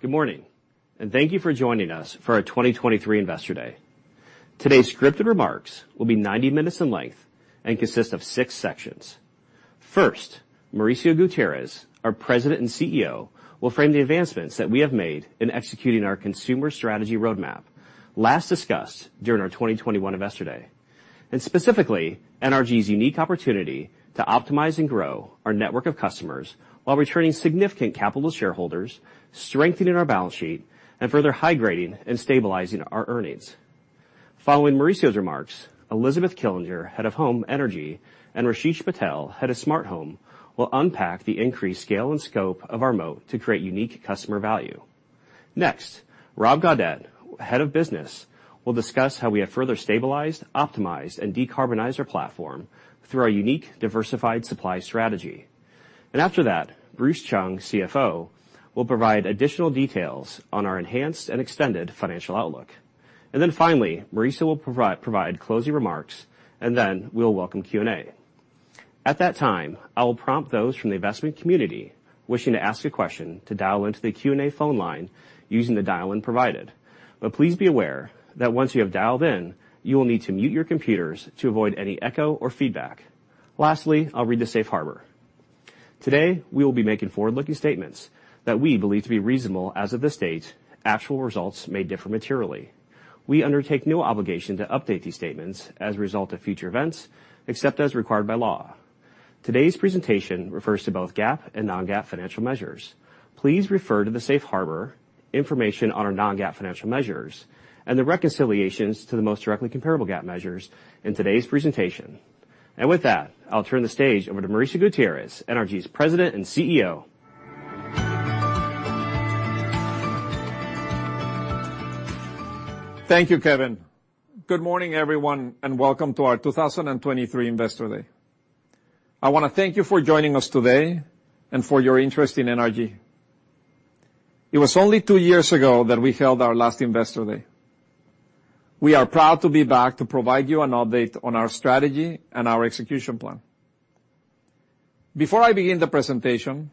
Good morning, and thank you for joining us for our 2023 Investor Day. Today's scripted remarks will be 90 minutes in length and consist of six sections. First, Mauricio Gutierrez, our President and CEO, will frame the advancements that we have made in executing our consumer strategy roadmap, last discussed during our 2021 Investor Day. Specifically, NRG's unique opportunity to optimize and grow our network of customers while returning significant capital to shareholders, strengthening our balance sheet, and further high-grading and stabilizing our earnings. Following Mauricio's remarks, Elizabeth Killinger, Head of Home Energy, and Rasesh Patel, Head of Smart Home, will unpack the increased scale and scope of our moat to create unique customer value. Next, Rob Gaudette, Head of Business, will discuss how we have further stabilized, optimized, and decarbonized our platform through our unique, diversified supply strategy. After that, Bruce Chung, CFO, will provide additional details on our enhanced and extended financial outlook. Then finally, Mauricio will provide closing remarks, and then we'll welcome Q&A. At that time, I will prompt those from the investment community wishing to ask a question to dial into the Q&A phone line using the dial-in provided. Please be aware that once you have dialed in, you will need to mute your computers to avoid any echo or feedback. Lastly, I'll read the safe harbor. Today, we will be making forward-looking statements that we believe to be reasonable as of this date. Actual results may differ materially. We undertake no obligation to update these statements as a result of future events, except as required by law. Today's presentation refers to both GAAP and non-GAAP financial measures. Please refer to the safe harbor information on our non-GAAP financial measures and the reconciliations to the most directly comparable GAAP measures in today's presentation. With that, I'll turn the stage over to Mauricio Gutierrez, NRG's President and CEO. Thank you, Kevin. Good morning, everyone, and welcome to our 2023 Investor Day. I wanna thank you for joining us today and for your interest in NRG. It was only two years ago that we held our last Investor Day. We are proud to be back to provide you an update on our strategy and our execution plan. Before I begin the presentation,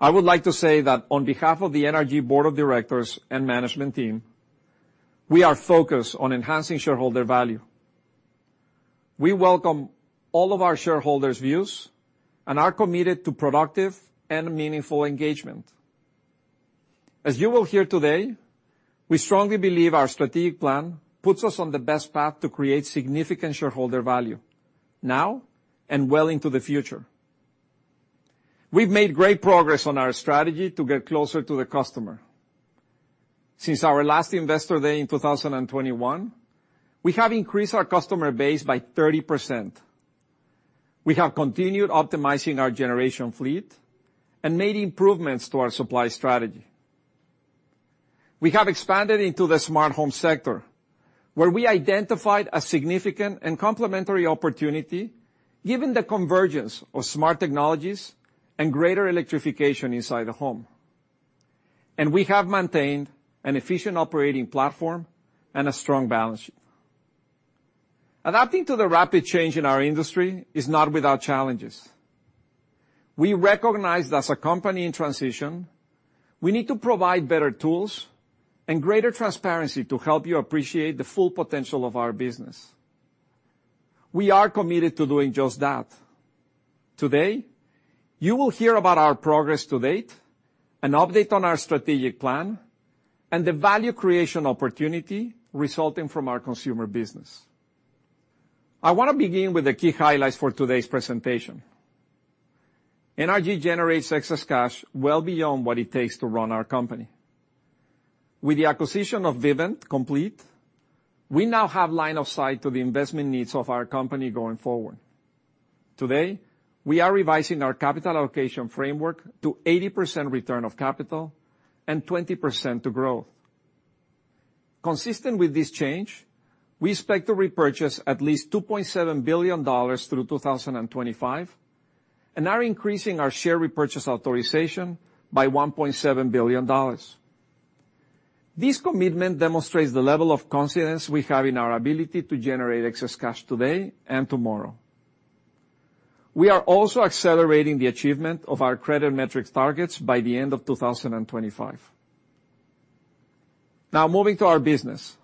I would like to say that on behalf of the NRG Board of Directors and management team, we are focused on enhancing shareholder value. We welcome all of our shareholders' views and are committed to productive and meaningful engagement. As you will hear today, we strongly believe our strategic plan puts us on the best path to create significant shareholder value, now and well into the future. We've made great progress on our strategy to get closer to the customer. Since our last Investor Day in 2021, we have increased our customer base by 30%. We have continued optimizing our generation fleet and made improvements to our supply strategy. We have expanded into the smart home sector, where we identified a significant and complementary opportunity, given the convergence of smart technologies and greater electrification inside the home. We have maintained an efficient operating platform and a strong balance sheet. Adapting to the rapid change in our industry is not without challenges. We recognize that as a company in transition, we need to provide better tools and greater transparency to help you appreciate the full potential of our business. We are committed to doing just that. Today, you will hear about our progress to date, an update on our strategic plan, and the value creation opportunity resulting from our consumer business. I want to begin with the key highlights for today's presentation. NRG generates excess cash well beyond what it takes to run our company. With the acquisition of Vivint complete, we now have line of sight to the investment needs of our company going forward. Today, we are revising our capital allocation framework to 80% return of capital and 20% to growth. Consistent with this change, we expect to repurchase at least $2.7 billion through 2025 and are increasing our share repurchase authorization by $1.7 billion. This commitment demonstrates the level of confidence we have in our ability to generate excess cash today and tomorrow. We are also accelerating the achievement of our credit metrics targets by the end of 2025. Moving to our business.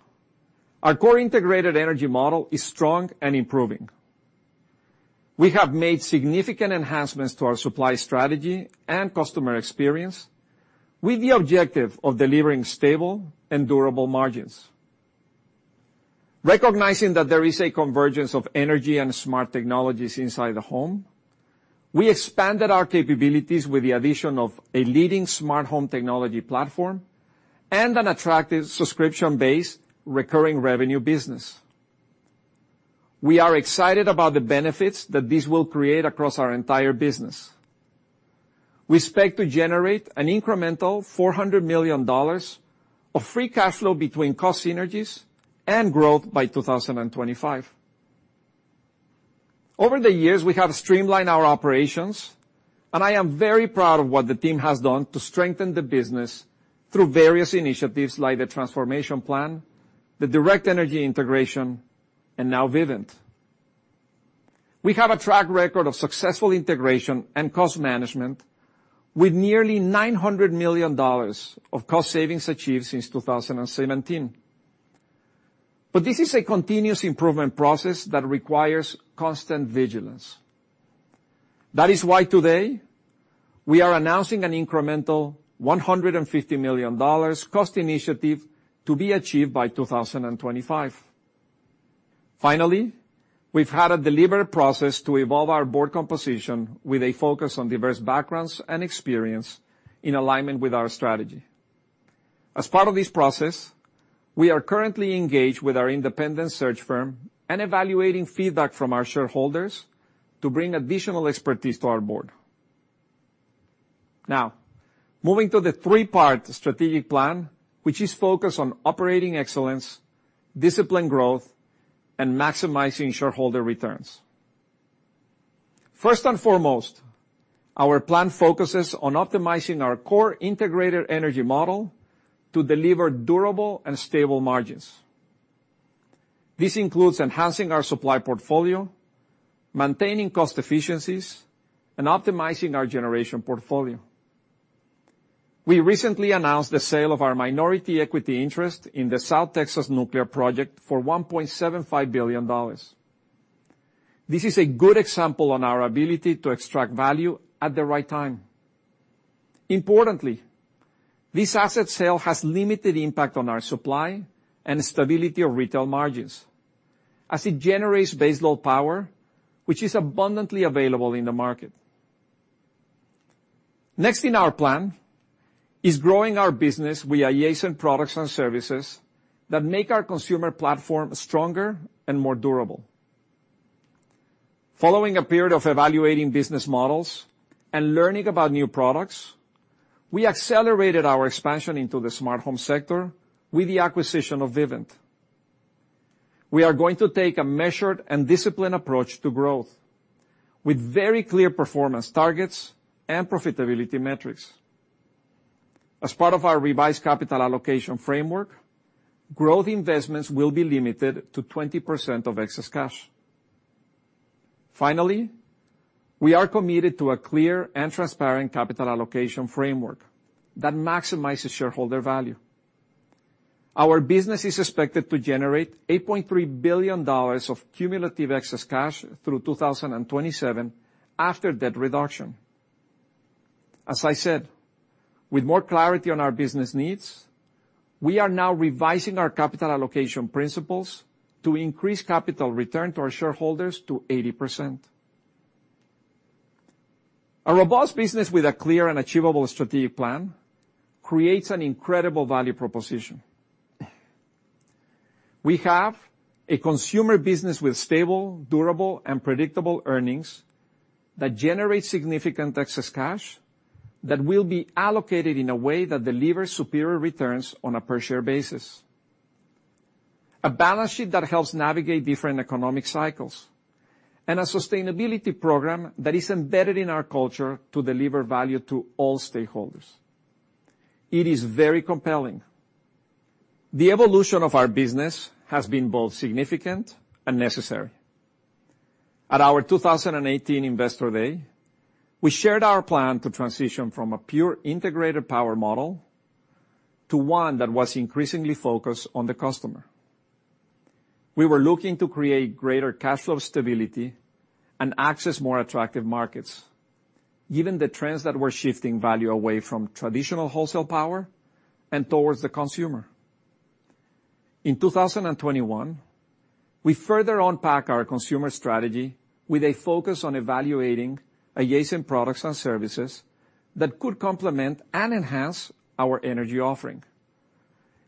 Our core integrated energy model is strong and improving. We have made significant enhancements to our supply strategy and customer experience with the objective of delivering stable and durable margins. Recognizing that there is a convergence of energy and smart technologies inside the home, we expanded our capabilities with the addition of a leading smart home technology platform and an attractive subscription-based recurring revenue business. We are excited about the benefits that this will create across our entire business. We expect to generate an incremental $400 million of free cash flow between cost synergies and growth by 2025. Over the years, we have streamlined our operations, and I am very proud of what the team has done to strengthen the business through various initiatives like the Transformation Plan, the Direct Energy integration, and now Vivint. We have a track record of successful integration and cost management, with nearly $900 million of cost savings achieved since 2017. This is a continuous improvement process that requires constant vigilance. That is why today, we are announcing an incremental $150 million cost initiative to be achieved by 2025. Finally, we've had a deliberate process to evolve our board composition with a focus on diverse backgrounds and experience in alignment with our strategy. As part of this process, we are currently engaged with our independent search firm and evaluating feedback from our shareholders to bring additional expertise to our board. Moving to the three-part strategic plan, which is focused on operating excellence, disciplined growth, and maximizing shareholder returns. First and foremost, our plan focuses on optimizing our core integrated energy model to deliver durable and stable margins. This includes enhancing our supply portfolio, maintaining cost efficiencies, and optimizing our generation portfolio. We recently announced the sale of our minority equity interest in the South Texas Nuclear Project for $1.75 billion. This is a good example on our ability to extract value at the right time. Importantly, this asset sale has limited impact on our supply and stability of retail margins, as it generates base load power, which is abundantly available in the market. Next in our plan is growing our business with adjacent products and services that make our consumer platform stronger and more durable. Following a period of evaluating business models and learning about new products, we accelerated our expansion into the smart home sector with the acquisition of Vivint. We are going to take a measured and disciplined approach to growth, with very clear performance targets and profitability metrics. As part of our revised capital allocation framework, growth investments will be limited to 20% of excess cash. We are committed to a clear and transparent capital allocation framework that maximizes shareholder value. Our business is expected to generate $8.3 billion of cumulative excess cash through 2027 after debt reduction. As I said, with more clarity on our business needs, we are now revising our capital allocation principles to increase capital return to our shareholders to 80%. A robust business with a clear and achievable strategic plan creates an incredible value proposition. We have a consumer business with stable, durable, and predictable earnings that generate significant excess cash that will be allocated in a way that delivers superior returns on a per-share basis, a balance sheet that helps navigate different economic cycles, and a sustainability program that is embedded in our culture to deliver value to all stakeholders. It is very compelling. The evolution of our business has been both significant and necessary. At our 2018 Investor Day, we shared our plan to transition from a pure integrated power model to one that was increasingly focused on the customer. We were looking to create greater cash flow stability and access more attractive markets, given the trends that were shifting value away from traditional wholesale power and towards the consumer. In 2021, we further unpack our consumer strategy with a focus on evaluating adjacent products and services that could complement and enhance our energy offering.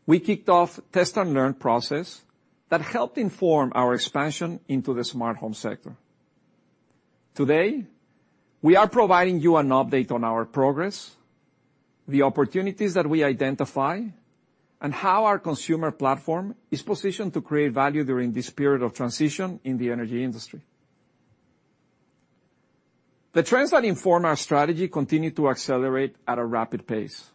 We kicked off test-and-learn process that helped inform our expansion into the smart home sector. Today, we are providing you an update on our progress, the opportunities that we identify, and how our consumer platform is positioned to create value during this period of transition in the energy industry. The trends that inform our strategy continue to accelerate at a rapid pace.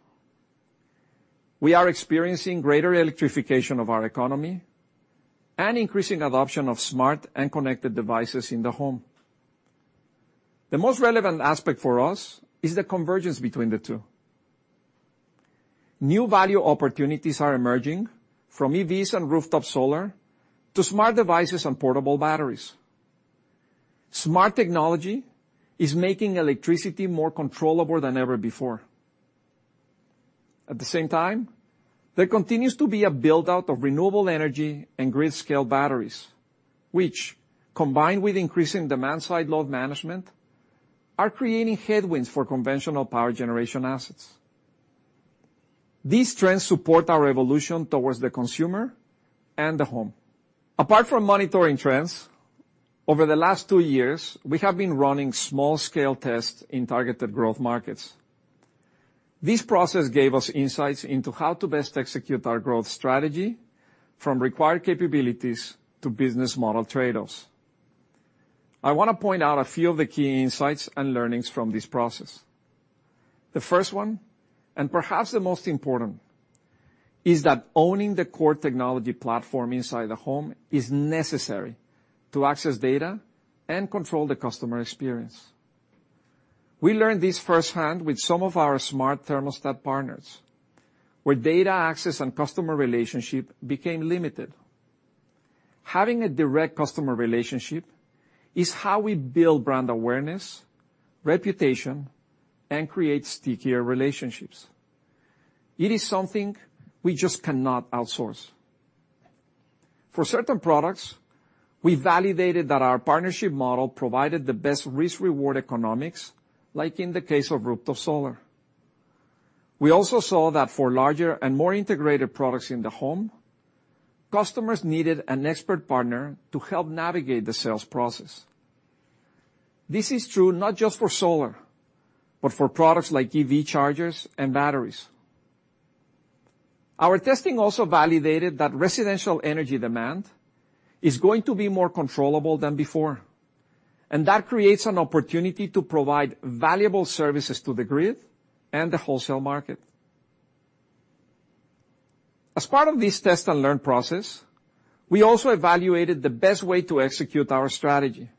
We are experiencing greater electrification of our economy and increasing adoption of smart and connected devices in the home. The most relevant aspect for us is the convergence between the two. New value opportunities are emerging, from EVs and rooftop solar to smart devices and portable batteries. Smart technology is making electricity more controllable than ever before. At the same time, there continues to be a build-out of renewable energy and grid-scale batteries, which, combined with increasing demand-side load management, are creating headwinds for conventional power generation assets. These trends support our evolution towards the consumer and the home. Apart from monitoring trends, over the last two years, we have been running small-scale tests in targeted growth markets. This process gave us insights into how to best execute our growth strategy, from required capabilities to business model trade-offs. I want to point out a few of the key insights and learnings from this process. The first one, and perhaps the most important, is that owning the core technology platform inside the home is necessary to access data and control the customer experience. We learned this firsthand with some of our smart thermostat partners, where data access and customer relationship became limited. Having a direct customer relationship is how we build brand awareness, reputation, and create stickier relationships. It is something we just cannot outsource. For certain products, we validated that our partnership model provided the best risk-reward economics, like in the case of rooftop solar. We also saw that for larger and more integrated products in the home, customers needed an expert partner to help navigate the sales process. This is true not just for solar, but for products like EV chargers and batteries. Our testing also validated that residential energy demand is going to be more controllable than before, and that creates an opportunity to provide valuable services to the grid and the wholesale market. As part of this test-and-learn process, we also evaluated the best way to execute our strategy.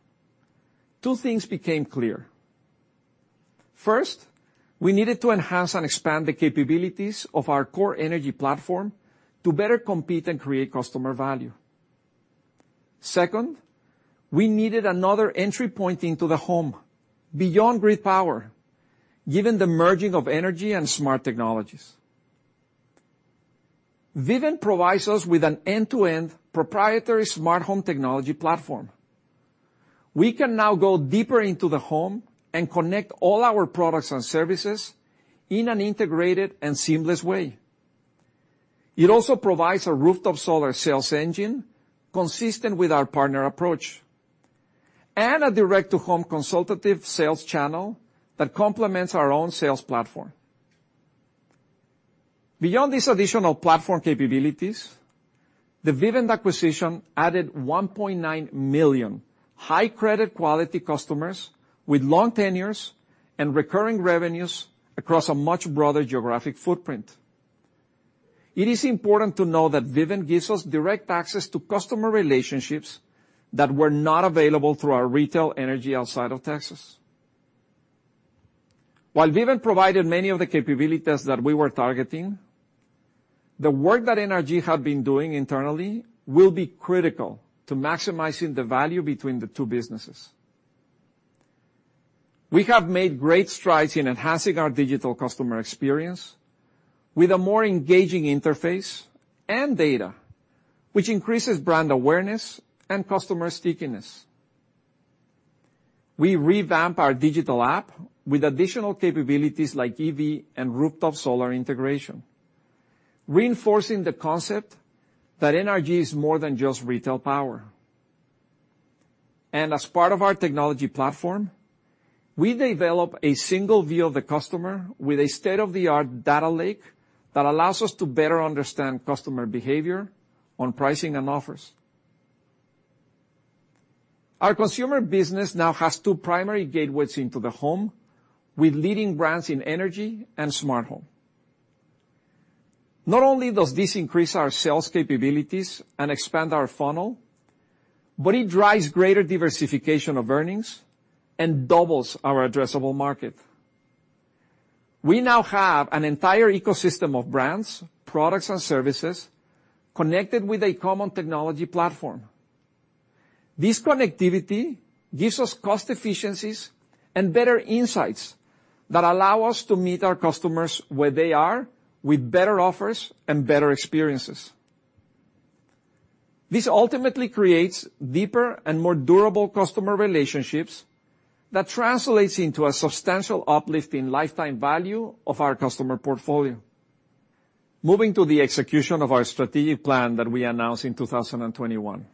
Two things became clear. First, we needed to enhance and expand the capabilities of our core energy platform to better compete and create customer value. Second, we needed another entry point into the home beyond grid power, given the merging of energy and smart technologies. Vivint provides us with an end-to-end proprietary smart home technology platform. We can now go deeper into the home and connect all our products and services in an integrated and seamless way. It also provides a rooftop solar sales engine consistent with our partner approach, and a direct-to-home consultative sales channel that complements our own sales platform. Beyond these additional platform capabilities, the Vivint acquisition added 1.9 million high credit quality customers with long tenures and recurring revenues across a much broader geographic footprint. It is important to know that Vivint gives us direct access to customer relationships that were not available through our retail energy outside of Texas. While Vivint provided many of the capabilities that we were targeting, the work that NRG have been doing internally will be critical to maximizing the value between the two businesses. We have made great strides in enhancing our digital customer experience with a more engaging interface and data, which increases brand awareness and customer stickiness. We revamp our digital app with additional capabilities like EV and rooftop solar integration, reinforcing the concept that NRG is more than just retail power. As part of our technology platform, we develop a single view of the customer with a state-of-the-art data lake that allows us to better understand customer behavior on pricing and offers. Our consumer business now has two primary gateways into the home, with leading brands in energy and smart home. Not only does this increase our sales capabilities and expand our funnel, but it drives greater diversification of earnings and doubles our addressable market. We now have an entire ecosystem of brands, products, and services connected with a common technology platform. This connectivity gives us cost efficiencies and better insights that allow us to meet our customers where they are with better offers and better experiences. This ultimately creates deeper and more durable customer relationships that translates into a substantial uplift in lifetime value of our customer portfolio. Moving to the execution of our strategic plan that we announced in 2021,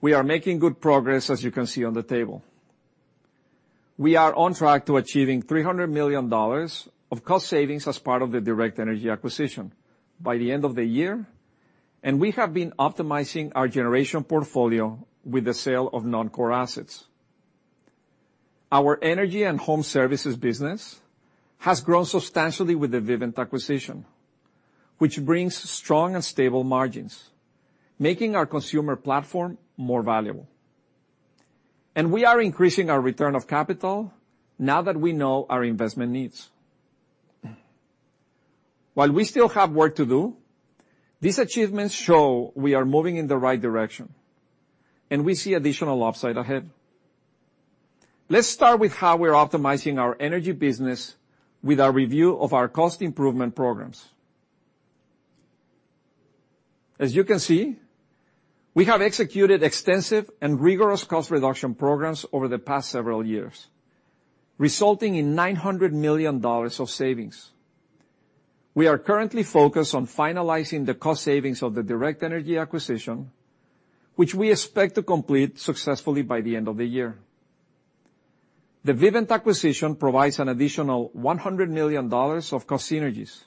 we are making good progress, as you can see on the table. We are on track to achieving $300 million of cost savings as part of the Direct Energy acquisition by the end of the year, and we have been optimizing our generation portfolio with the sale of non-core assets. Our energy and home services business has grown substantially with the Vivint acquisition, which brings strong and stable margins, making our consumer platform more valuable. We are increasing our return of capital now that we know our investment needs. While we still have work to do, these achievements show we are moving in the right direction, and we see additional upside ahead. Let's start with how we're optimizing our energy business with our review of our cost improvement programs. As you can see, we have executed extensive and rigorous cost reduction programs over the past several years, resulting in $900 million of savings. We are currently focused on finalizing the cost savings of the Direct Energy acquisition, which we expect to complete successfully by the end of the year. The Vivint acquisition provides an additional $100 million of cost synergies,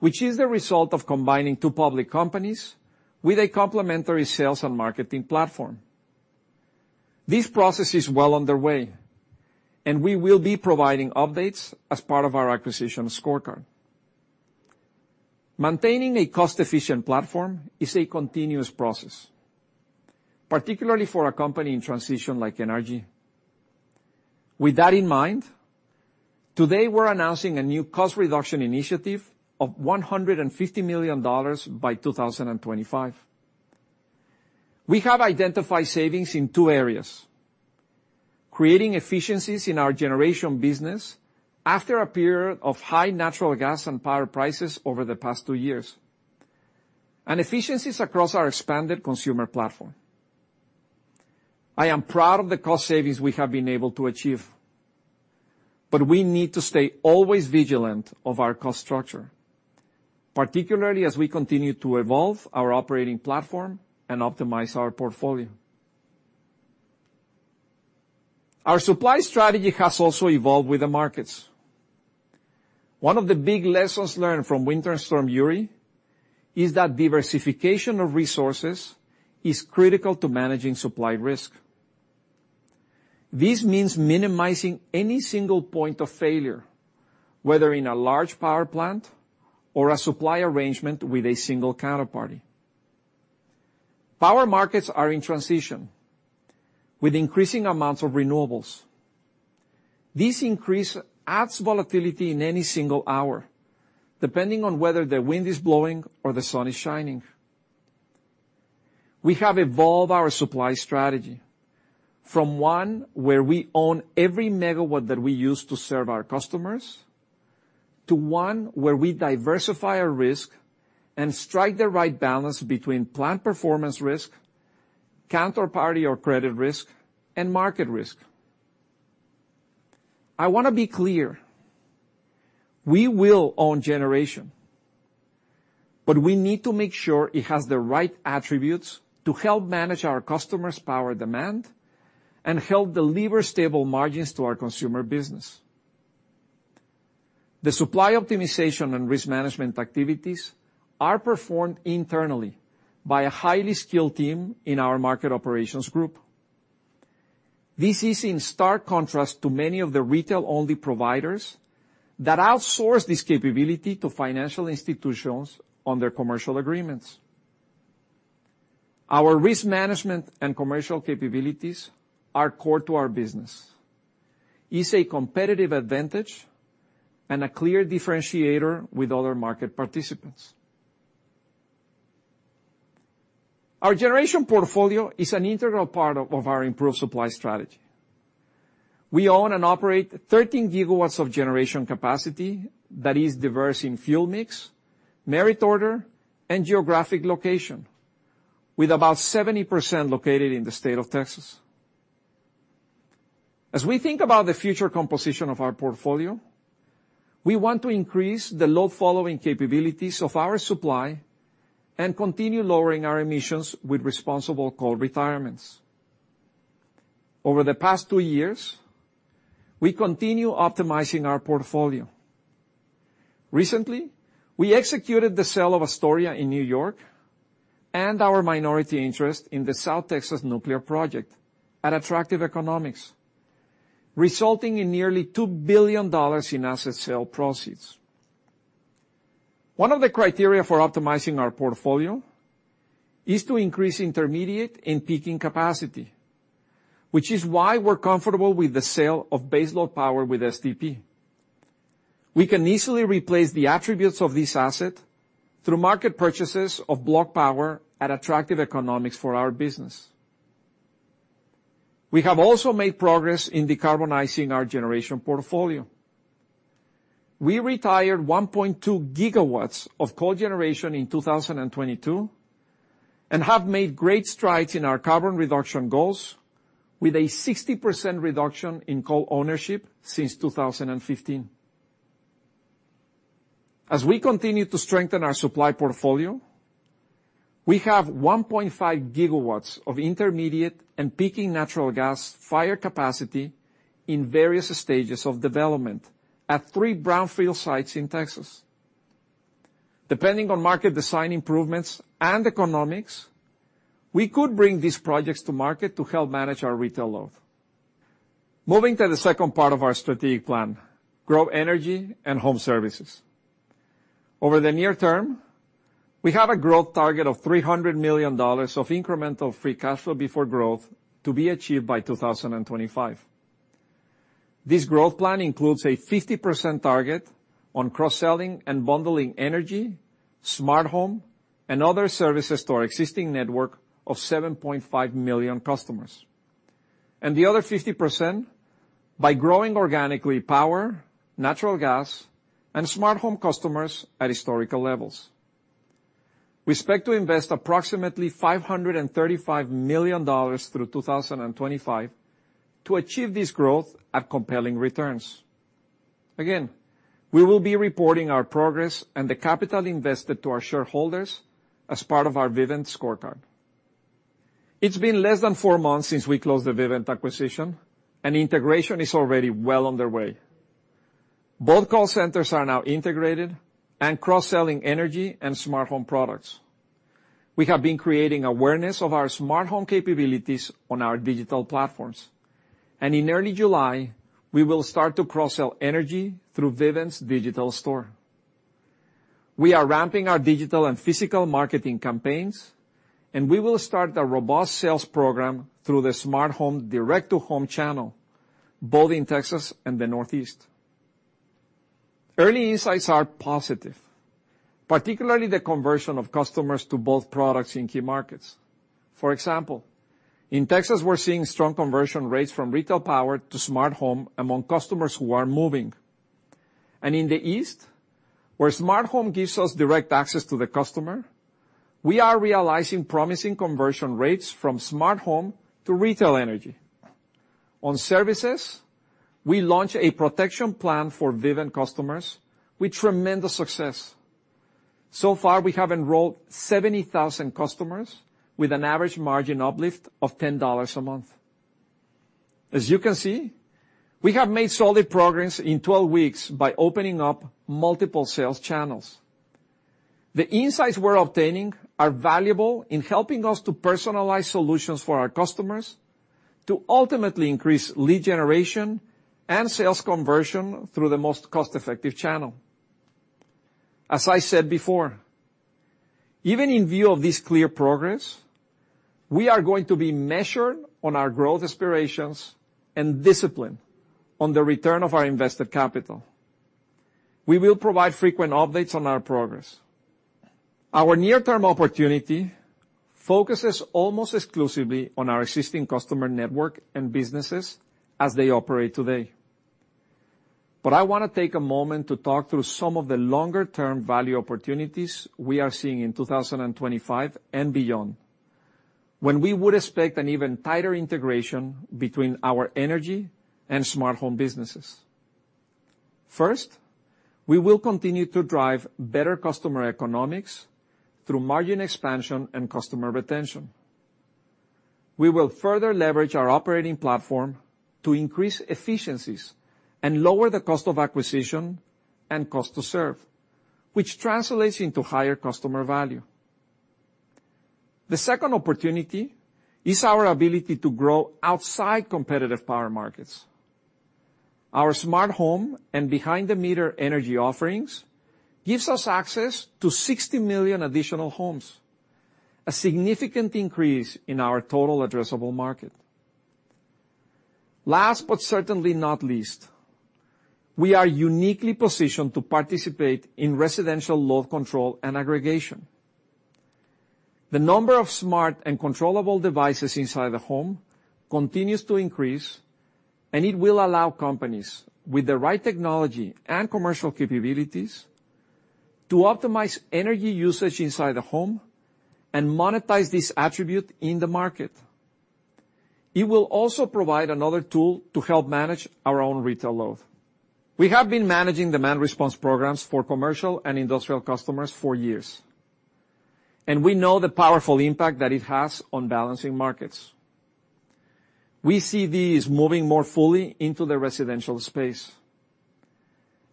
which is the result of combining two public companies with a complementary sales and marketing platform. This process is well underway. We will be providing updates as part of our acquisition scorecard. Maintaining a cost-efficient platform is a continuous process, particularly for a company in transition like NRG. With that in mind, today we're announcing a new cost reduction initiative of $150 million by 2025. We have identified savings in two areas: creating efficiencies in our generation business after a period of high natural gas and power prices over the past two years, and efficiencies across our expanded consumer platform. I am proud of the cost savings we have been able to achieve. We need to stay always vigilant of our cost structure, particularly as we continue to evolve our operating platform and optimize our portfolio. Our supply strategy has also evolved with the markets. One of the big lessons learned from Winter Storm Uri is that diversification of resources is critical to managing supply risk. This means minimizing any single point of failure, whether in a large power plant or a supply arrangement with a single counterparty. Power markets are in transition, with increasing amounts of renewables. This increase adds volatility in any single hour, depending on whether the wind is blowing or the sun is shining. We have evolved our supply strategy from one where we own every megawatt that we use to serve our customers, to one where we diversify our risk and strike the right balance between plant performance risk, counterparty or credit risk, and market risk. I want to be clear: we will own generation, but we need to make sure it has the right attributes to help manage our customers' power demand and help deliver stable margins to our consumer business. The supply optimization and risk management activities are performed internally by a highly skilled team in our market operations group. This is in stark contrast to many of the retail-only providers that outsource this capability to financial institutions on their commercial agreements. Our risk management and commercial capabilities are core to our business. It's a competitive advantage and a clear differentiator with other market participants. Our generation portfolio is an integral part of our improved supply strategy. We own and operate 13 GW of generation capacity that is diverse in fuel mix, merit order, and geographic location, with about 70% located in the state of Texas. As we think about the future composition of our portfolio, we want to increase the load-following capabilities of our supply and continue lowering our emissions with responsible coal retirements. Over the past two years, we continue optimizing our portfolio. Recently, we executed the sale of Astoria in New York and our minority interest in the South Texas Project at attractive economics, resulting in nearly $2 billion in asset sale proceeds. One of the criteria for optimizing our portfolio is to increase intermediate and peaking capacity, which is why we're comfortable with the sale of baseload power with STP. We can easily replace the attributes of this asset through market purchases of block power at attractive economics for our business. We have also made progress in decarbonizing our generation portfolio. We retired 1.2 GW of coal generation in 2022, and have made great strides in our carbon reduction goals with a 60% reduction in coal ownership since 2015. As we continue to strengthen our supply portfolio, we have 1.5 GW of intermediate and peaking natural gas fire capacity in various stages of development at three brownfield sites in Texas. Depending on market design improvements and economics, we could bring these projects to market to help manage our retail load. Moving to the second part of our strategic plan: grow energy and home services. Over the near term, we have a growth target of $300 million of incremental free cash flow before growth to be achieved by 2025. This growth plan includes a 50% target on cross-selling and bundling energy, Smart Home, and other services to our existing network of 7.5 million customers. The other 50% by growing organically power, natural gas, and Smart Home customers at historical levels. We expect to invest approximately $535 million through 2025 to achieve this growth at compelling returns. Again, we will be reporting our progress and the capital invested to our shareholders as part of our Vivint scorecard. It's been less than four months since we closed the Vivint acquisition, and integration is already well underway. Both call centers are now integrated and cross-selling energy and Smart Home products. We have been creating awareness of our smart home capabilities on our digital platforms. In early July, we will start to cross-sell energy through Vivint's digital store. We are ramping our digital and physical marketing campaigns. We will start a robust sales program through the smart home direct-to-home channel, both in Texas and the Northeast. Early insights are positive, particularly the conversion of customers to both products in key markets. For example, in Texas, we're seeing strong conversion rates from retail power to smart home among customers who are moving. In the East, where smart home gives us direct access to the customer, we are realizing promising conversion rates from smart home to retail energy. On services, we launched a protection plan for Vivint customers with tremendous success. So far, we have enrolled 70,000 customers with an average margin uplift of $10 a month. As you can see, we have made solid progress in 12 weeks by opening up multiple sales channels. The insights we're obtaining are valuable in helping us to personalize solutions for our customers to ultimately increase lead generation and sales conversion through the most cost-effective channel. As I said before, even in view of this clear progress, we are going to be measured on our growth aspirations and discipline on the return of our invested capital. We will provide frequent updates on our progress. Our near-term opportunity focuses almost exclusively on our existing customer network and businesses as they operate today. I want to take a moment to talk through some of the longer-term value opportunities we are seeing in 2025 and beyond, when we would expect an even tighter integration between our energy and smart home businesses. First, we will continue to drive better customer economics through margin expansion and customer retention. We will further leverage our operating platform to increase efficiencies and lower the cost of acquisition and cost to serve, which translates into higher customer value. The second opportunity is our ability to grow outside competitive power markets. Our smart home and behind-the-meter energy offerings gives us access to 60 million additional homes, a significant increase in our total addressable market. Last, but certainly not least, we are uniquely positioned to participate in residential load control and aggregation. The number of smart and controllable devices inside the home continues to increase, it will allow companies with the right technology and commercial capabilities to optimize energy usage inside the home and monetize this attribute in the market. It will also provide another tool to help manage our own retail load. We have been managing demand response programs for commercial and industrial customers for years, and we know the powerful impact that it has on balancing markets. We see these moving more fully into the residential space.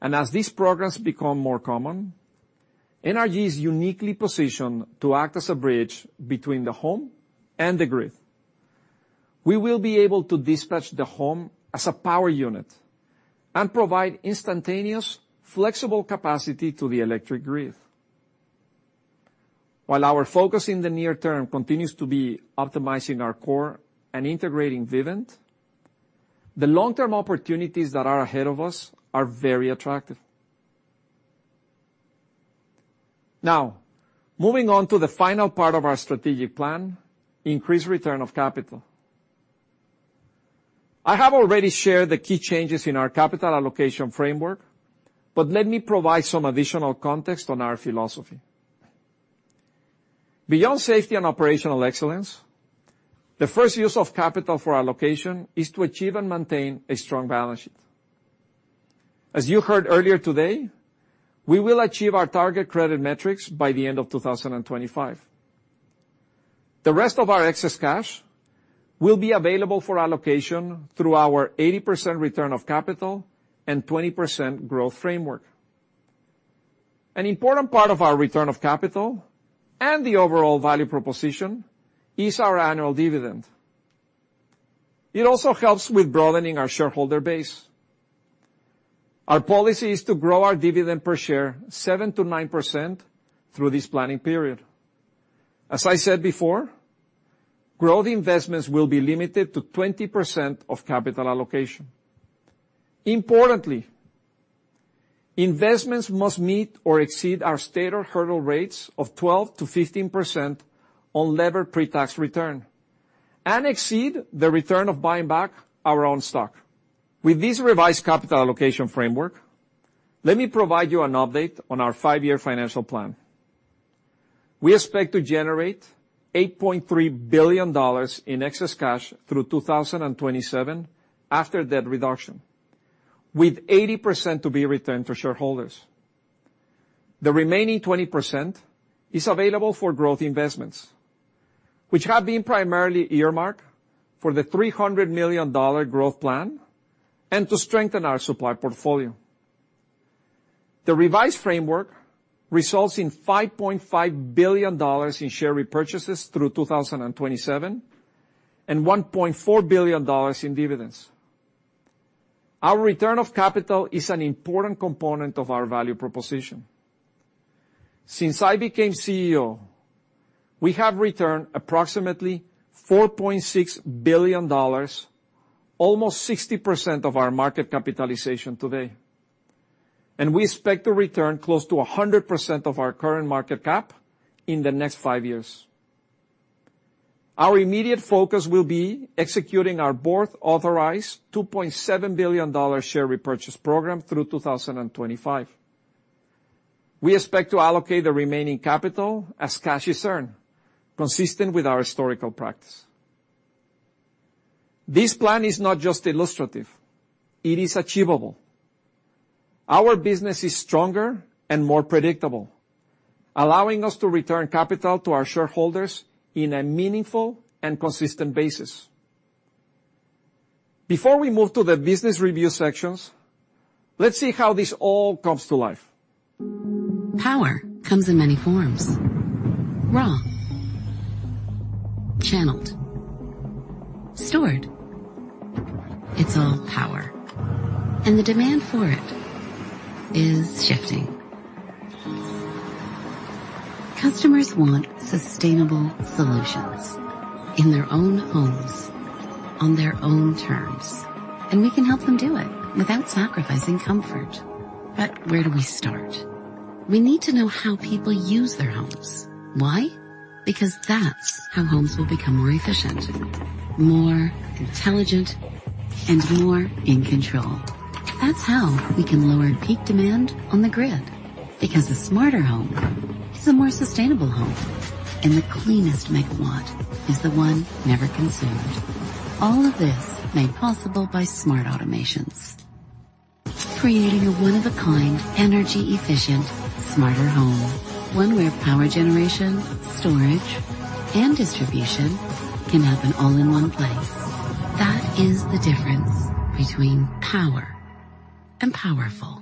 As these programs become more common, NRG is uniquely positioned to act as a bridge between the home and the grid. We will be able to dispatch the home as a power unit and provide instantaneous, flexible capacity to the electric grid. While our focus in the near term continues to be optimizing our core and integrating Vivint, the long-term opportunities that are ahead of us are very attractive. Now, moving on to the final part of our strategic plan, increased return of capital. I have already shared the key changes in our capital allocation framework, but let me provide some additional context on our philosophy. Beyond safety and operational excellence, the first use of capital for allocation is to achieve and maintain a strong balance sheet. As you heard earlier today, we will achieve our target credit metrics by the end of 2025. The rest of our excess cash will be available for allocation through our 80% return of capital and 20% growth framework. An important part of our return of capital and the overall value proposition is our annual dividend. It also helps with broadening our shareholder base. Our policy is to grow our dividend per share 7%-9% through this planning period. As I said before, growth investments will be limited to 20% of capital allocation. Importantly, investments must meet or exceed our stated hurdle rates of 12%-15% on levered pre-tax return and exceed the return of buying back our own stock. With this revised capital allocation framework, let me provide you an update on our five-year financial plan. We expect to generate $8.3 billion in excess cash through 2027 after debt reduction, with 80% to be returned to shareholders. The remaining 20% is available for growth investments, which have been primarily earmarked for the $300 million growth plan and to strengthen our supply portfolio. The revised framework results in $5.5 billion in share repurchases through 2027, and $1.4 billion in dividends. Our return of capital is an important component of our value proposition. Since I became CEO, we have returned approximately $4.6 billion, almost 60% of our market capitalization today. We expect to return close to 100% of our current market cap in the next five years. Our immediate focus will be executing our board-authorized $2.7 billion share repurchase program through 2025. We expect to allocate the remaining capital as cash is earned, consistent with our historical practice. This plan is not just illustrative, it is achievable. Our business is stronger and more predictable, allowing us to return capital to our shareholders in a meaningful and consistent basis. Before we move to the business review sections, let's see how this all comes to life. Power comes in many forms: raw, channeled, stored. It's all power, and the demand for it is shifting. Customers want sustainable solutions in their own homes, on their own terms, and we can help them do it without sacrificing comfort. Where do we start? We need to know how people use their homes. Why? Because that's how homes will become more efficient, more intelligent, and more in control. That's how we can lower peak demand on the grid, because a smarter home is a more sustainable home, and the cleanest megawatt is the one never consumed. All of this made possible by smart automations, creating a one-of-a-kind, energy-efficient, smarter home, one where power generation, storage, and distribution can happen all in one place. That is the difference between power and powerful.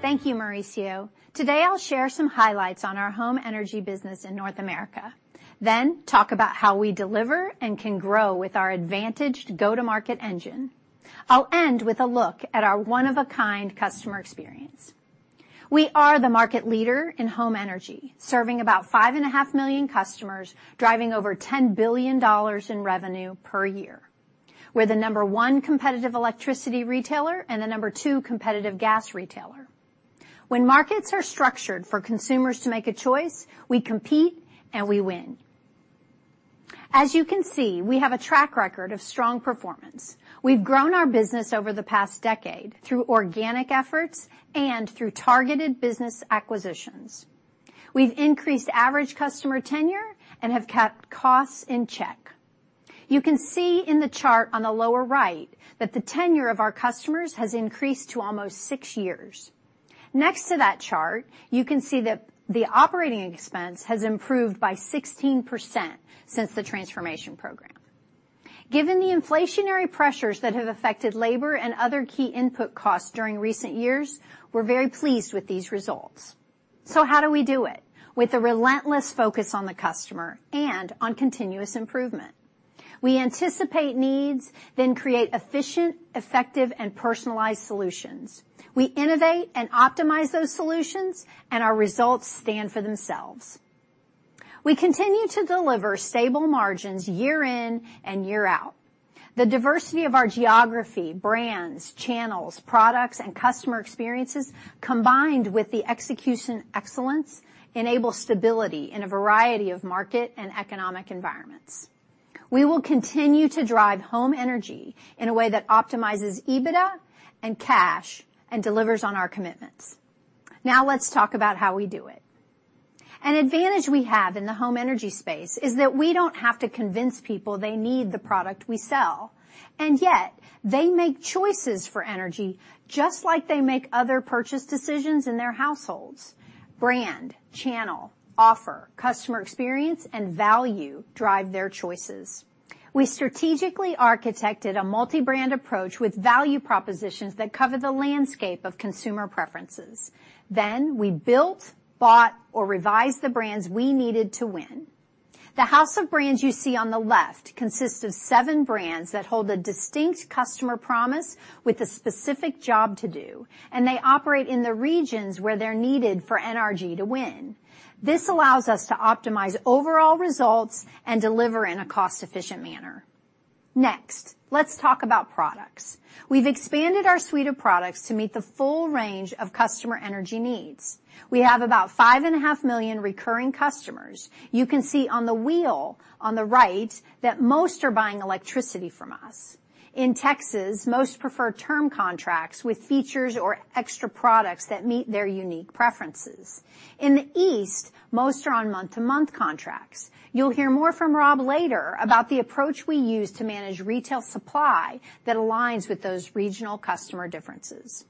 Thank you, Mauricio. Today, I'll share some highlights on our home energy business in North America, then talk about how we deliver and can grow with our advantaged go-to-market engine. I'll end with a look at our one-of-a-kind customer experience. We are the market leader in home energy, serving about 5.5 million customers, driving over $10 billion in revenue per year. We're the number one competitive electricity retailer and the number two competitive gas retailer. When markets are structured for consumers to make a choice, we compete, and we win. As you can see, we have a track record of strong performance. We've grown our business over the past decade through organic efforts and through targeted business acquisitions. We've increased average customer tenure and have kept costs in check. You can see in the chart on the lower right that the tenure of our customers has increased to almost six years. Next to that chart, you can see that the operating expense has improved by 16% since the transformation program. Given the inflationary pressures that have affected labor and other key input costs during recent years, we're very pleased with these results. How do we do it? With a relentless focus on the customer and on continuous improvement. We anticipate needs, then create efficient, effective, and personalized solutions. We innovate and optimize those solutions, and our results stand for themselves. We continue to deliver stable margins year in and year out. The diversity of our geography, brands, channels, products, and customer experiences, combined with the execution excellence, enables stability in a variety of market and economic environments. We will continue to drive home energy in a way that optimizes EBITDA and cash and delivers on our commitments. Let's talk about how we do it. An advantage we have in the home energy space is that we don't have to convince people they need the product we sell. They make choices for energy, just like they make other purchase decisions in their households. Brand, channel, offer, customer experience, and value drive their choices. We strategically architected a multi-brand approach with value propositions that cover the landscape of consumer preferences. We built, bought, or revised the brands we needed to win. The house of brands you see on the left consists of seven brands that hold a distinct customer promise with a specific job to do. They operate in the regions where they're needed for NRG to win. This allows us to optimize overall results and deliver in a cost-efficient manner. Let's talk about products. We've expanded our suite of products to meet the full range of customer energy needs. We have about 5.5 million recurring customers. You can see on the wheel on the right that most are buying electricity from us. In Texas, most prefer term contracts with features or extra products that meet their unique preferences. In the East, most are on month-to-month contracts. You'll hear more from Rob later about the approach we use to manage retail supply that aligns with those regional customer differences.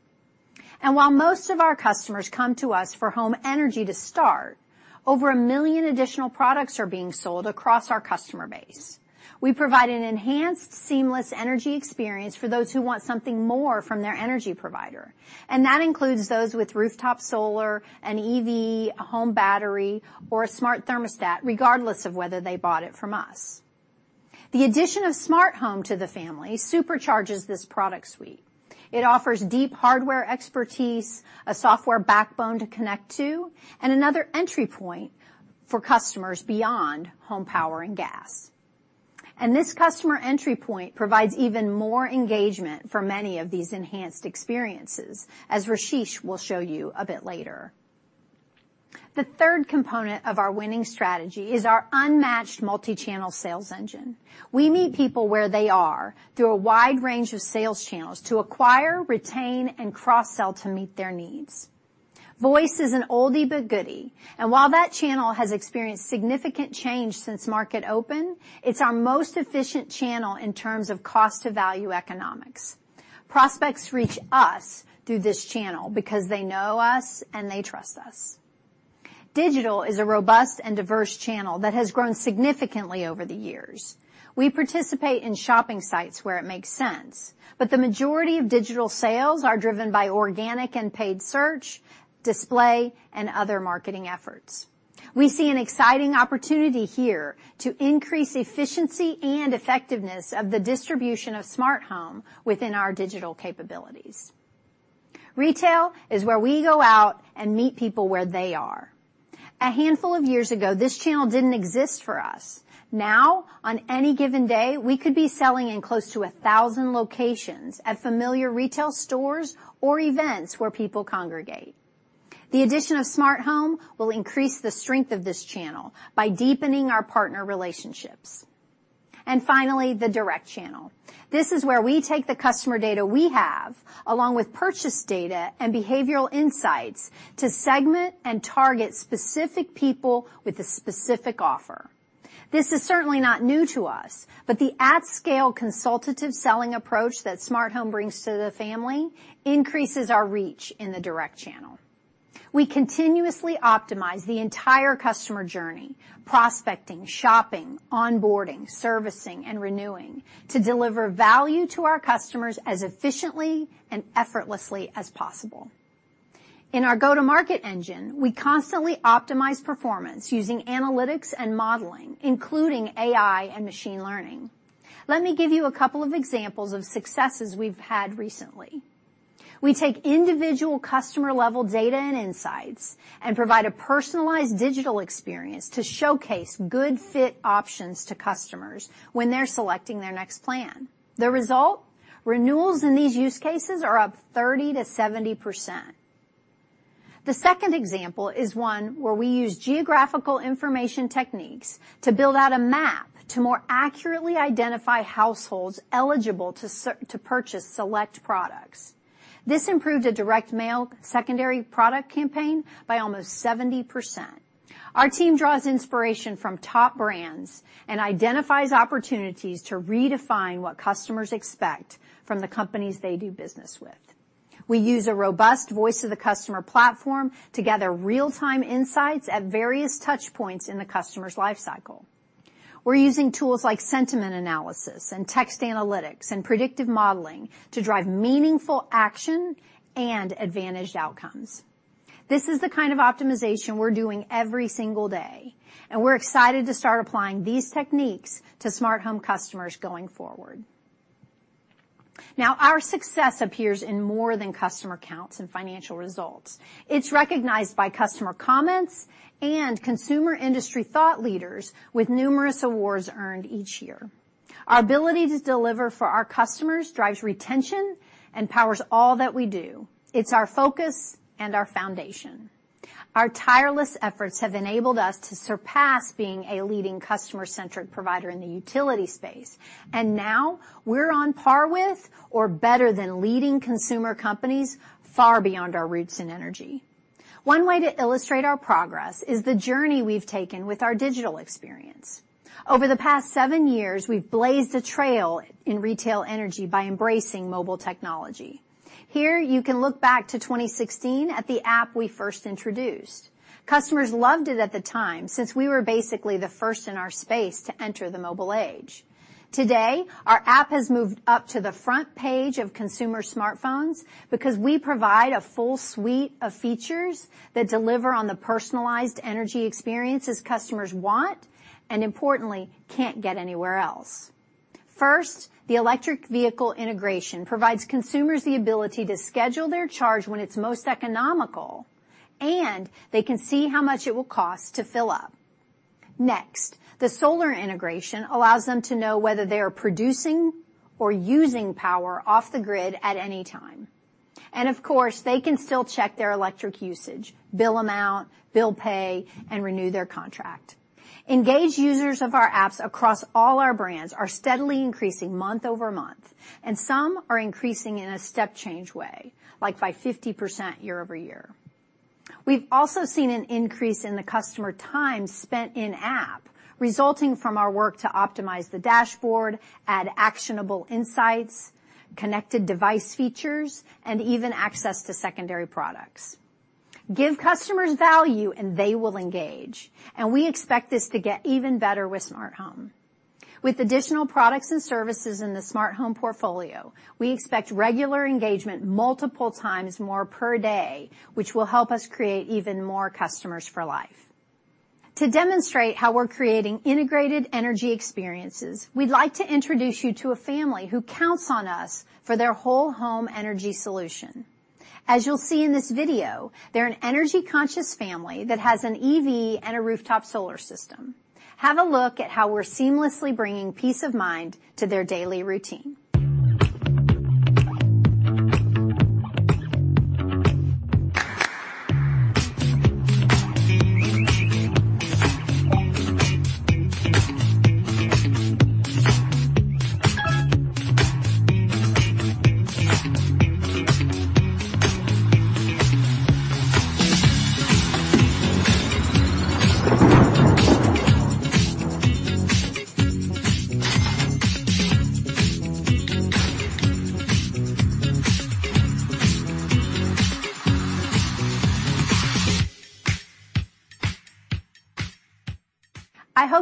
While most of our customers come to us for home energy to start, over 1 million additional products are being sold across our customer base. We provide an enhanced, seamless energy experience for those who want something more from their energy provider, that includes those with rooftop solar, an EV, a home battery, or a smart thermostat, regardless of whether they bought it from us. The addition of Smart Home to the family supercharges this product suite. It offers deep hardware expertise, a software backbone to connect to, and another entry point for customers beyond home power and gas. This customer entry point provides even more engagement for many of these enhanced experiences, as Rasesh will show you a bit later. The third component of our winning strategy is our unmatched multi-channel sales engine. We meet people where they are through a wide range of sales channels to acquire, retain, and cross-sell to meet their needs. Voice is an oldie but goodie, while that channel has experienced significant change since market open, it's our most efficient channel in terms of cost to value economics. Prospects reach us through this channel because they know us and they trust us. Digital is a robust and diverse channel that has grown significantly over the years. The majority of digital sales are driven by organic and paid search, display, and other marketing efforts. We participate in shopping sites where it makes sense. We see an exciting opportunity here to increase efficiency and effectiveness of the distribution of Smart Home within our digital capabilities. Retail is where we go out and meet people where they are. A handful of years ago, this channel didn't exist for us. On any given day, we could be selling in close to 1,000 locations at familiar retail stores or events where people congregate. The addition of Smart Home will increase the strength of this channel by deepening our partner relationships. Finally, the direct channel. This is where we take the customer data we have, along with purchase data and behavioral insights, to segment and target specific people with a specific offer. This is certainly not new to us, the at-scale consultative selling approach that Smart Home brings to the family increases our reach in the direct channel. We continuously optimize the entire customer journey, prospecting, shopping, onboarding, servicing, and renewing, to deliver value to our customers as efficiently and effortlessly as possible. In our go-to-market engine, we constantly optimize performance using analytics and modeling, including AI and machine learning. Let me give you a couple of examples of successes we've had recently. We take individual customer-level data and insights and provide a personalized digital experience to showcase good fit options to customers when they're selecting their next plan. The result? Renewals in these use cases are up 30% to 70%. The second example is one where we use geographical information techniques to build out a map to more accurately identify households eligible to purchase select products. This improved a direct mail secondary product campaign by almost 70%. Our team draws inspiration from top brands and identifies opportunities to redefine what customers expect from the companies they do business with. We use a robust voice-of-the-customer platform to gather real-time insights at various touch points in the customer's life cycle. We're using tools like sentiment analysis and text analytics and predictive modeling to drive meaningful action and advantaged outcomes. This is the kind of optimization we're doing every single day, and we're excited to start applying these techniques to Smart Home customers going forward. Now, our success appears in more than customer counts and financial results. It's recognized by customer comments and consumer industry thought leaders, with numerous awards earned each year. Our ability to deliver for our customers drives retention and powers all that we do. It's our focus and our foundation. Our tireless efforts have enabled us to surpass being a leading customer-centric provider in the utility space, and now we're on par with or better than leading consumer companies far beyond our roots in energy. One way to illustrate our progress is the journey we've taken with our digital experience. Over the past seven years, we've blazed a trail in retail energy by embracing mobile technology. Here, you can look back to 2016 at the app we first introduced. Customers loved it at the time since we were basically the first in our space to enter the mobile age. Today, our app has moved up to the front page of consumer smartphones because we provide a full suite of features that deliver on the personalized energy experiences customers want and, importantly, can't get anywhere else. First, the electric vehicle integration provides consumers the ability to schedule their charge when it's most economical, and they can see how much it will cost to fill up. Next, the solar integration allows them to know whether they are producing or using power off the grid at any time. Of course, they can still check their electric usage, bill amount, bill pay, and renew their contract. Engaged users of our apps across all our brands are steadily increasing month-over-month, and some are increasing in a step-change way, like by 50% year-over-year. We've also seen an increase in the customer time spent in app, resulting from our work to optimize the dashboard, add actionable insights, connected device features, and even access to secondary products. Give customers value, and they will engage, and we expect this to get even better with Smart Home. With additional products and services in the Smart Home portfolio, we expect regular engagement multiple times more per day, which will help us create even more customers for life. To demonstrate how we're creating integrated energy experiences, we'd like to introduce you to a family who counts on us for their whole home energy solution. As you'll see in this video, they're an energy-conscious family that has an EV and a rooftop solar system. Have a look at how we're seamlessly bringing peace of mind to their daily routine.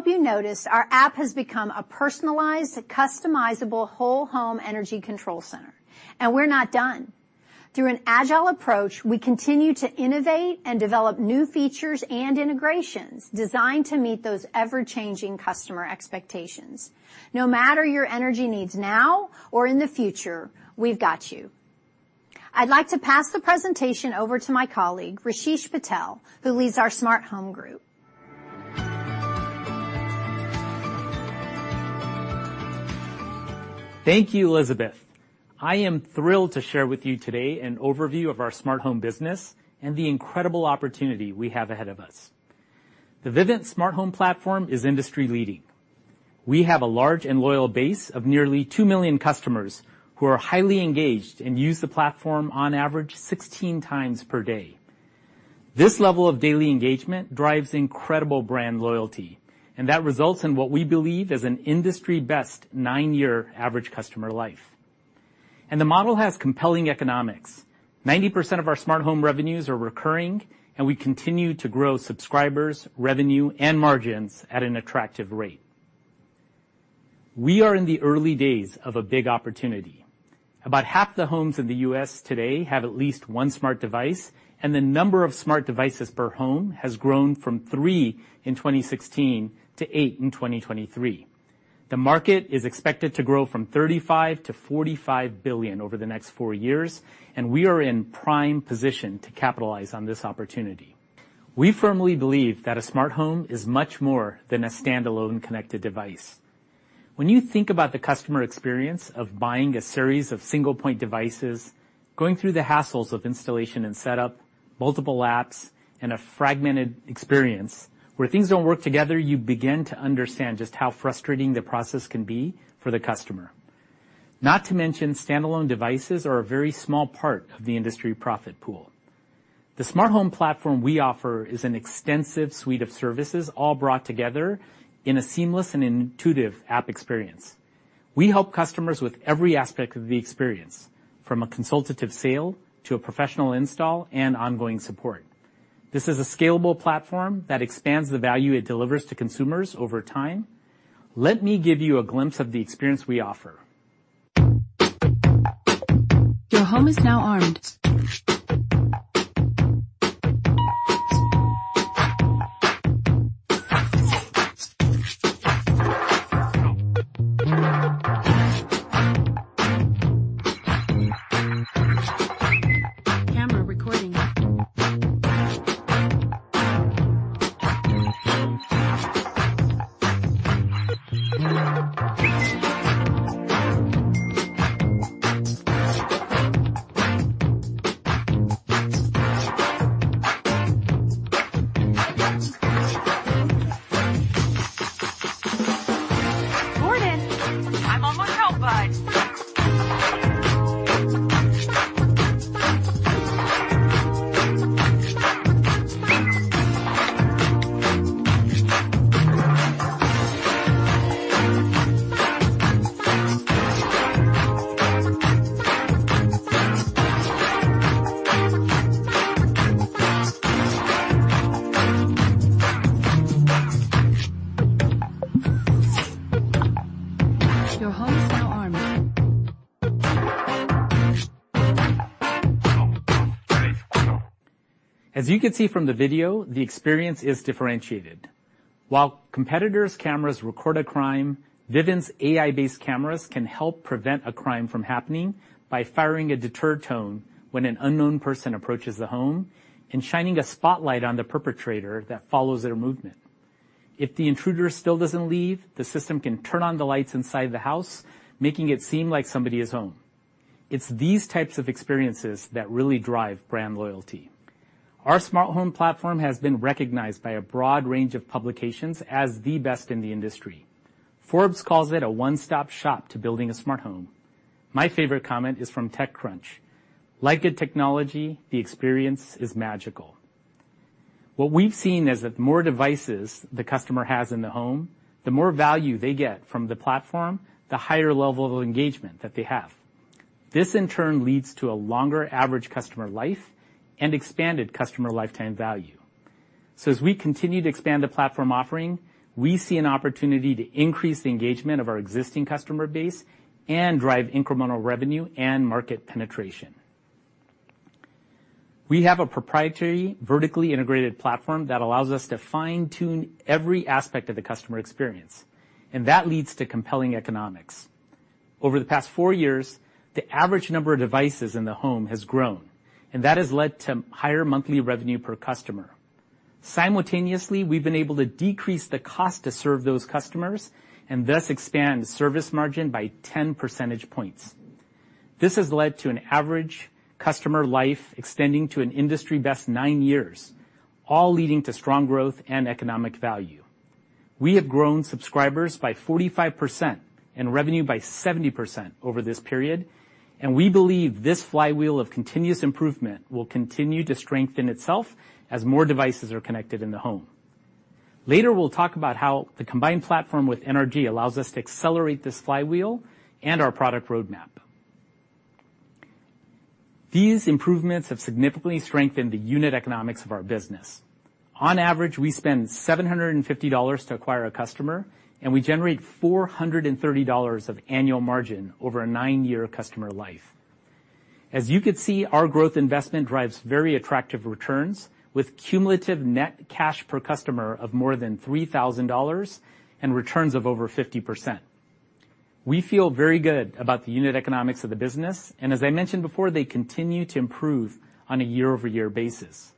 I hope you noticed our app has become a personalized, customizable, whole-home energy control center, and we're not done. Through an agile approach, we continue to innovate and develop new features and integrations designed to meet those ever-changing customer expectations. No matter your energy needs now or in the future, we've got you. I'd like to pass the presentation over to my colleague, Rasesh Patel, who leads our Smart Home group. Thank you, Elizabeth. I am thrilled to share with you today an overview of our Smart Home business and the incredible opportunity we have ahead of us. The Vivint Smart Home platform is industry-leading. We have a large and loyal base of nearly 2 million customers who are highly engaged and use the platform on average 16 times per day. This level of daily engagement drives incredible brand loyalty, and that results in what we believe is an industry-best nine-year average customer life. The model has compelling economics. 90% of our Smart Home revenues are recurring, and we continue to grow subscribers, revenue, and margins at an attractive rate. We are in the early days of a big opportunity. About half the homes in the U.S. today have at least one smart device, and the number of smart devices per home has grown from three in 2016 to eight in 2023. The market is expected to grow from $35 billion-$45 billion over the next four years, and we are in prime position to capitalize on this opportunity. We firmly believe that a smart home is much more than a standalone connected device. When you think about the customer experience of buying a series of single-point devices, going through the hassles of installation and setup, multiple apps, and a fragmented experience where things don't work together, you begin to understand just how frustrating the process can be for the customer. Not to mention, standalone devices are a very small part of the industry profit pool. The Smart Home platform we offer is an extensive suite of services, all brought together in a seamless and intuitive app experience. We help customers with every aspect of the experience, from a consultative sale to a professional install and ongoing support. This is a scalable platform that expands the value it delivers to consumers over time. Let me give you a glimpse of the experience we offer. Your home is now armed. Camera recording. Gordon! I'm on my robot. Your home is now armed. As you can see from the video, the experience is differentiated. While competitors' cameras record a crime, Vivint's AI-based cameras can help prevent a crime from happening by firing a deterrent tone when an unknown person approaches the home and shining a spotlight on the perpetrator that follows their movement. If the intruder still doesn't leave, the system can turn on the lights inside the house, making it seem like somebody is home. It's these types of experiences that really drive brand loyalty. Our Smart Home platform has been recognized by a broad range of publications as the best in the industry. Forbes calls it a one-stop shop to building a smart home. My favorite comment is from TechCrunch: "Like good technology, the experience is magical." What we've seen is that the more devices the customer has in the home, the more value they get from the platform, the higher level of engagement that they have. This, in turn, leads to a longer average customer life and expanded customer lifetime value. As we continue to expand the platform offering, we see an opportunity to increase the engagement of our existing customer base and drive incremental revenue and market penetration. We have a proprietary, vertically integrated platform that allows us to fine-tune every aspect of the customer experience, and that leads to compelling economics. Over the past four years, the average number of devices in the home has grown, and that has led to higher monthly revenue per customer. Simultaneously, we've been able to decrease the cost to serve those customers and thus expand the service margin by 10 percentage points. This has led to an average customer life extending to an industry-best nine years, all leading to strong growth and economic value. We have grown subscribers by 45% and revenue by 70% over this period. We believe this flywheel of continuous improvement will continue to strengthen itself as more devices are connected in the home. Later, we'll talk about how the combined platform with NRG allows us to accelerate this flywheel and our product roadmap. These improvements have significantly strengthened the unit economics of our business. On average, we spend $750 to acquire a customer. We generate $430 of annual margin over a nine-year customer life. As you could see, our growth investment drives very attractive returns, with cumulative net cash per customer of more than $3,000 and returns of over 50%. We feel very good about the unit economics of the business, and as I mentioned before, they continue to improve on a year-over-year basis.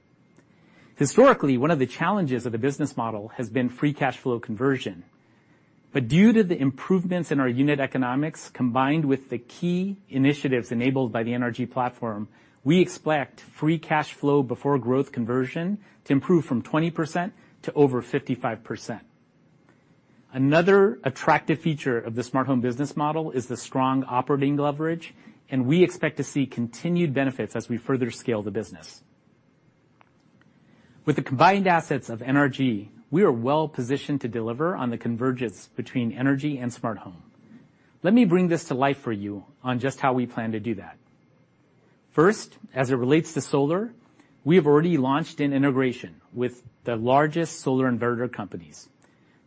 Historically, one of the challenges of the business model has been free cash flow conversion. Due to the improvements in our unit economics, combined with the key initiatives enabled by the NRG platform, we expect free cash flow before growth conversion to improve from 20% to over 55%. Another attractive feature of the smart home business model is the strong operating leverage, and we expect to see continued benefits as we further scale the business. With the combined assets of NRG, we are well positioned to deliver on the convergence between energy and smart home. Let me bring this to life for you on just how we plan to do that. First, as it relates to solar, we have already launched an integration with the largest solar inverter companies.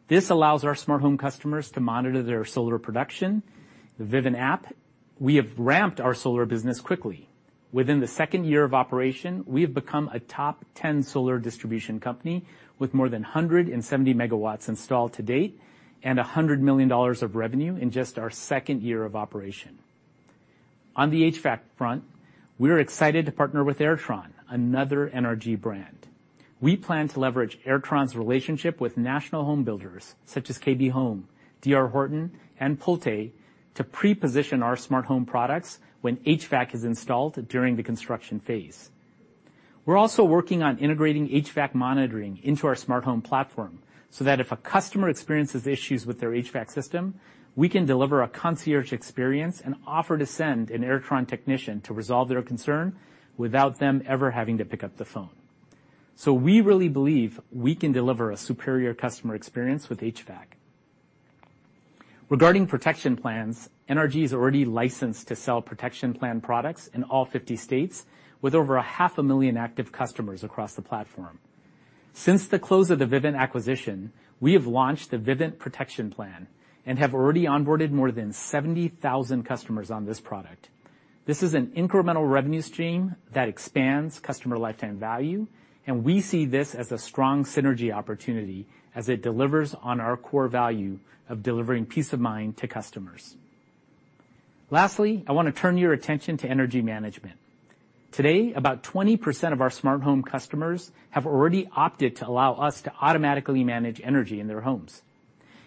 This allows our smart home customers to monitor their solar production. The Vivint app, we have ramped our solar business quickly. Within the second year of operation, we have become a top 10 solar distribution company with more than 170 MW installed to date and $100 million of revenue in just our second year of operation. On the HVAC front, we're excited to partner with Airtron, another NRG brand. We plan to leverage Airtron's relationship with national home builders such as KB Home, D.R. Horton, and Pulte to pre-position our smart home products when HVAC is installed during the construction phase. We're also working on integrating HVAC monitoring into our smart home platform, so that if a customer experiences issues with their HVAC system, we can deliver a concierge experience and offer to send an Airtron technician to resolve their concern without them ever having to pick up the phone. We really believe we can deliver a superior customer experience with HVAC. Regarding protection plans, NRG is already licensed to sell protection plan products in all 50 states, with over 500,000 active customers across the platform. Since the close of the Vivint acquisition, we have launched the Vivint Protection Plan and have already onboarded more than 70,000 customers on this product. This is an incremental revenue stream that expands customer lifetime value, and we see this as a strong synergy opportunity as it delivers on our core value of delivering peace of mind to customers. Lastly, I want to turn your attention to energy management. Today, about 20% of our smart home customers have already opted to allow us to automatically manage energy in their homes,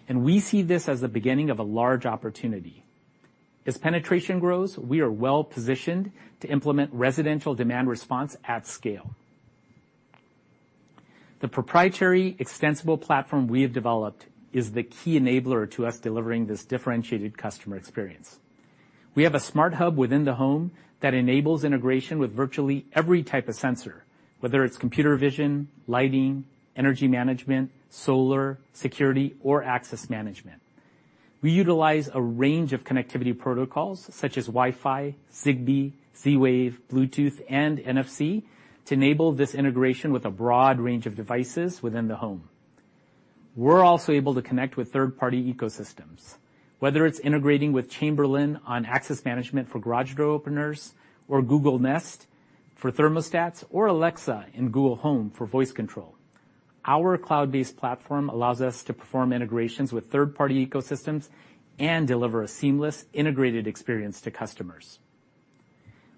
and we see this as the beginning of a large opportunity. As penetration grows, we are well positioned to implement residential demand response at scale. The proprietary, extensible platform we have developed is the key enabler to us delivering this differentiated customer experience. We have a smart hub within the home that enables integration with virtually every type of sensor, whether it's computer vision, lighting, energy management, solar, security, or access management. We utilize a range of connectivity protocols such as Wi-Fi, Zigbee, Z-Wave, Bluetooth, and NFC to enable this integration with a broad range of devices within the home. We're also able to connect with third-party ecosystems, whether it's integrating with Chamberlain on access management for garage door openers or Google Nest for thermostats or Alexa and Google Home for voice control. Our cloud-based platform allows us to perform integrations with third-party ecosystems and deliver a seamless, integrated experience to customers.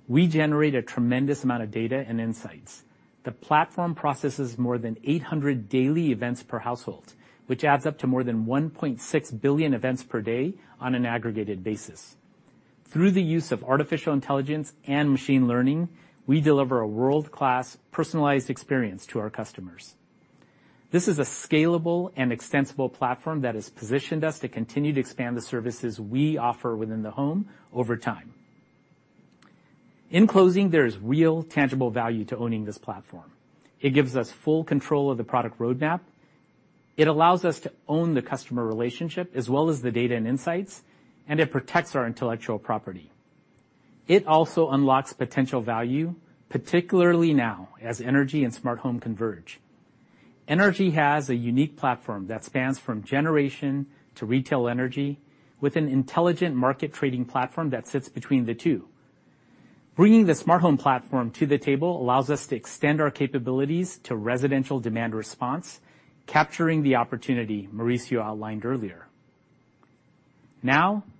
We generate a tremendous amount of data and insights. The platform processes more than 800 daily events per household, which adds up to more than 1.6 billion events per day on an aggregated basis. Through the use of artificial intelligence and machine learning, we deliver a world-class, personalized experience to our customers. This is a scalable and extensible platform that has positioned us to continue to expand the services we offer within the home over time. In closing, there is real, tangible value to owning this platform. It gives us full control of the product roadmap, it allows us to own the customer relationship, as well as the data and insights, and it protects our intellectual property. It also unlocks potential value, particularly now, as energy and smart home converge. NRG has a unique platform that spans from generation to retail energy, with an intelligent market trading platform that sits between the two. Bringing the smart home platform to the table allows us to extend our capabilities to residential demand response, capturing the opportunity Mauricio outlined earlier.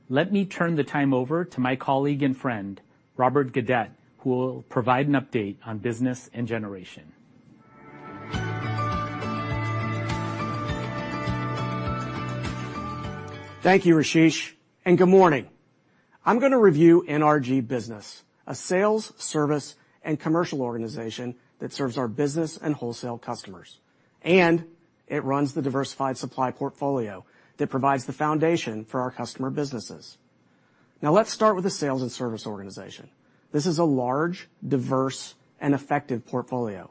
Let me turn the time over to my colleague and friend, Robert Gaudette, who will provide an update on business and generation. Thank you, Rasesh. Good morning. I'm going to review NRG Business, a sales, service, and commercial organization that serves our business and wholesale customers. It runs the diversified supply portfolio that provides the foundation for our customer businesses. Now, let's start with the sales and service organization. This is a large, diverse, and effective portfolio.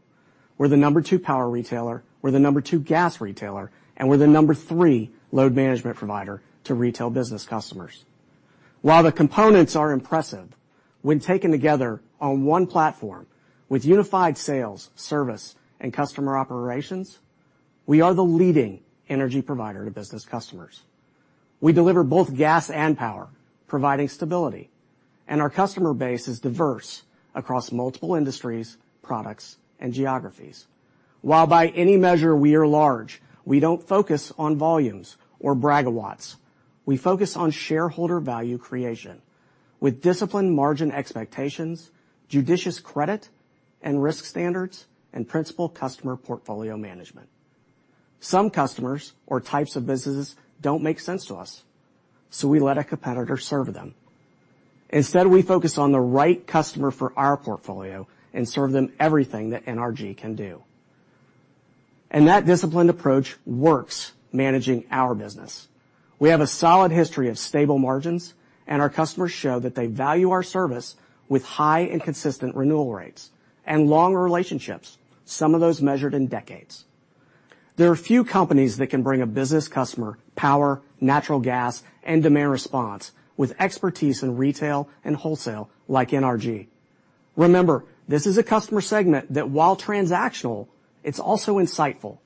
We're the number two power retailer, we're the number two gas retailer, and we're the number three load management provider to retail business customers. While the components are impressive, when taken together on one platform with unified sales, service, and customer operations, we are the leading energy provider to business customers. We deliver both gas and power, providing stability, and our customer base is diverse across multiple industries, products, and geographies. While by any measure, we are large, we don't focus on volumes or bragawatts. We focus on shareholder value creation, with disciplined margin expectations, judicious credit and risk standards, and principal customer portfolio management. Some customers or types of businesses don't make sense to us, so we let a competitor serve them. Instead, we focus on the right customer for our portfolio and serve them everything that NRG can do. That disciplined approach works, managing our business. We have a solid history of stable margins, and our customers show that they value our service with high and consistent renewal rates and long relationships, some of those measured in decades. There are few companies that can bring a business customer power, natural gas, and demand response with expertise in retail and wholesale like NRG. Remember, this is a customer segment that, while transactional, it's also insightful.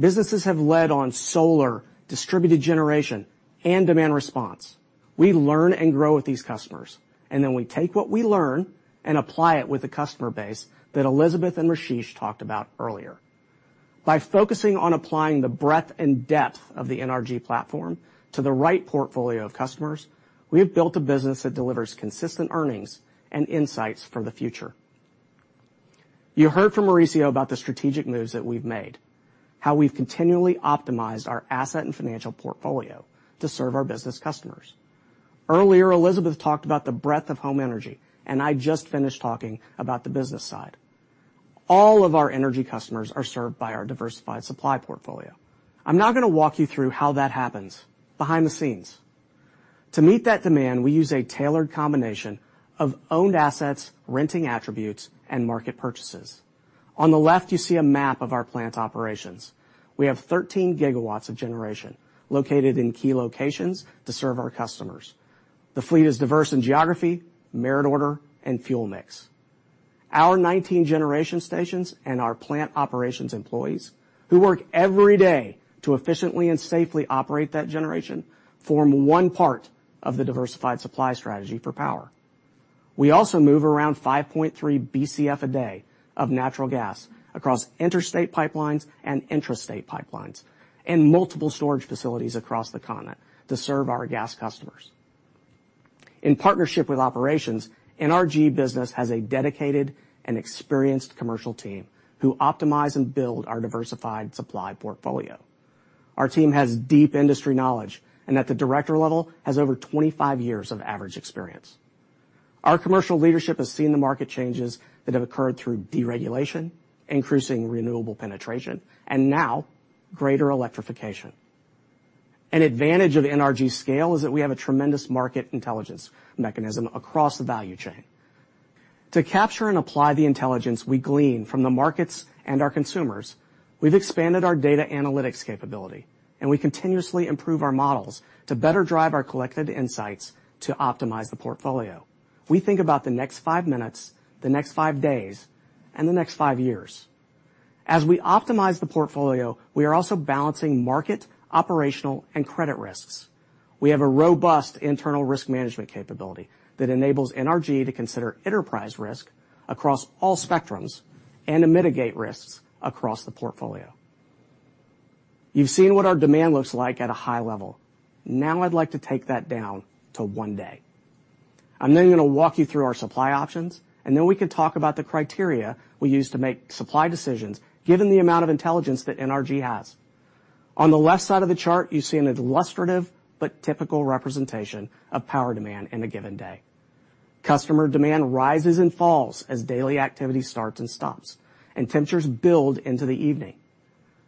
Businesses have led on solar, distributed generation, and demand response. We learn and grow with these customers, and then we take what we learn and apply it with the customer base that Elizabeth and Rasesh talked about earlier. By focusing on applying the breadth and depth of the NRG platform to the right portfolio of customers, we have built a business that delivers consistent earnings and insights for the future. You heard from Mauricio about the strategic moves that we've made, how we've continually optimized our asset and financial portfolio to serve our business customers. Earlier, Elizabeth talked about the breadth of Home Energy, and I just finished talking about the Business side. All of our energy customers are served by our diversified supply portfolio. I'm now gonna walk you through how that happens behind the scenes. To meet that demand, we use a tailored combination of owned assets, renting attributes, and market purchases. On the left, you see a map of our plant operations. We have 13 GW of generation located in key locations to serve our customers. The fleet is diverse in geography, merit order, and fuel mix. Our 19 generation stations and our plant operations employees, who work every day to efficiently and safely operate that generation, form one part of the diversified supply strategy for power. We also move around 5.3 BCF a day of natural gas across interstate pipelines and intrastate pipelines, and multiple storage facilities across the continent to serve our gas customers. In partnership with operations, NRG Business has a dedicated and experienced commercial team, who optimize and build our diversified supply portfolio. Our team has deep industry knowledge, and at the director level, has over 25 years of average experience. Our commercial leadership has seen the market changes that have occurred through deregulation, increasing renewable penetration, and now greater electrification. An advantage of NRG scale is that we have a tremendous market intelligence mechanism across the value chain. To capture and apply the intelligence we glean from the markets and our consumers, we've expanded our data analytics capability, and we continuously improve our models to better drive our collected insights to optimize the portfolio. We think about the next five minutes, the next five days, and the next five years. As we optimize the portfolio, we are also balancing market, operational, and credit risks. We have a robust internal risk management capability that enables NRG to consider enterprise risk across all spectrums and to mitigate risks across the portfolio. You've seen what our demand looks like at a high level. Now I'd like to take that down to one day. I'm then gonna walk you through our supply options, and then we can talk about the criteria we use to make supply decisions, given the amount of intelligence that NRG has. On the left side of the chart, you see an illustrative but typical representation of power demand in a given day. Customer demand rises and falls as daily activity starts and stops, and temperatures build into the evening.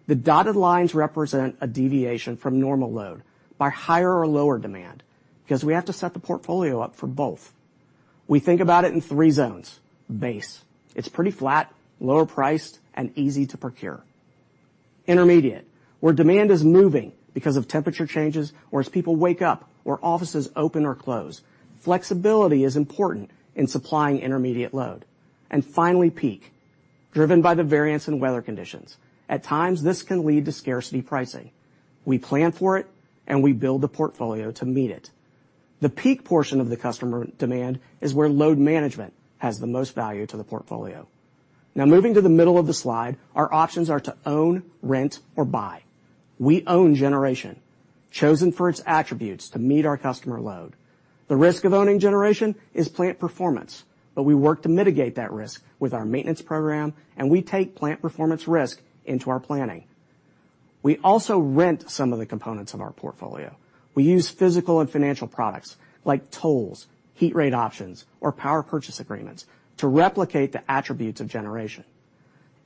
The dotted lines represent a deviation from normal load by higher or lower demand, because we have to set the portfolio up for both. We think about it in three zones. Base, it's pretty flat, lower priced, and easy to procure. Intermediate, where demand is moving because of temperature changes, or as people wake up, or offices open or close. Flexibility is important in supplying intermediate load. Finally, peak, driven by the variance in weather conditions. At times, this can lead to scarcity pricing. We plan for it, and we build the portfolio to meet it. The peak portion of the customer demand is where load management has the most value to the portfolio. Moving to the middle of the slide, our options are to own, rent, or buy. We own generation, chosen for its attributes to meet our customer load. The risk of owning generation is plant performance, but we work to mitigate that risk with our maintenance program, and we take plant performance risk into our planning. We also rent some of the components of our portfolio. We use physical and financial products like tolls, heat rate options, or power purchase agreements to replicate the attributes of generation.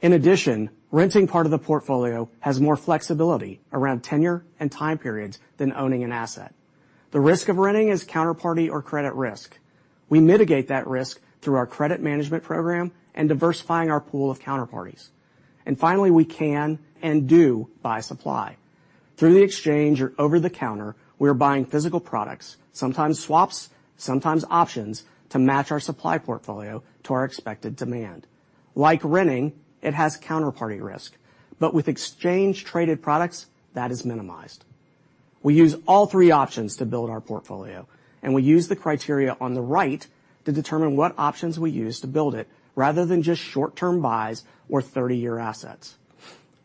In addition, renting part of the portfolio has more flexibility around tenure and time periods than owning an asset. The risk of renting is counterparty or credit risk. We mitigate that risk through our credit management program and diversifying our pool of counterparties. Finally, we can and do buy supply. Through the exchange or over-the-counter, we are buying physical products, sometimes swaps, sometimes options, to match our supply portfolio to our expected demand. Like renting, it has counterparty risk, with exchange-traded products, that is minimized. We use all three options to build our portfolio, we use the criteria on the right to determine what options we use to build it, rather than just short-term buys or 30-year assets.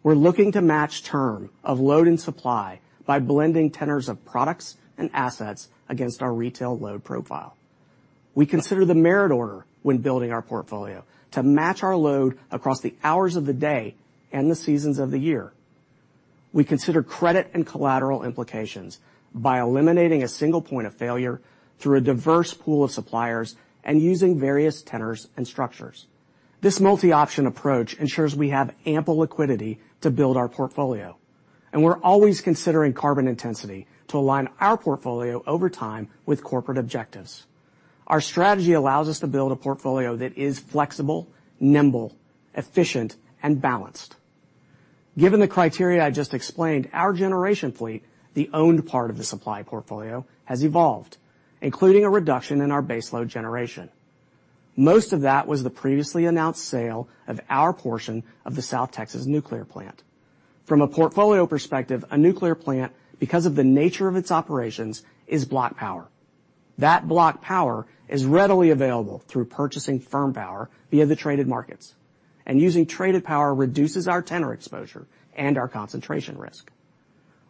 We're looking to match term of load and supply by blending tenors of products and assets against our retail load profile. We consider the merit order when building our portfolio to match our load across the hours of the day and the seasons of the year. We consider credit and collateral implications by eliminating a single point of failure through a diverse pool of suppliers and using various tenors and structures. This multi-option approach ensures we have ample liquidity to build our portfolio, and we're always considering carbon intensity to align our portfolio over time with corporate objectives. Our strategy allows us to build a portfolio that is flexible, nimble, efficient, and balanced. Given the criteria I just explained, our generation fleet, the owned part of the supply portfolio, has evolved, including a reduction in our base load generation. Most of that was the previously announced sale of our portion of the South Texas nuclear plant. From a portfolio perspective, a nuclear plant, because of the nature of its operations, is block power. That block power is readily available through purchasing firm power via the traded markets. Using traded power reduces our tenor exposure and our concentration risk.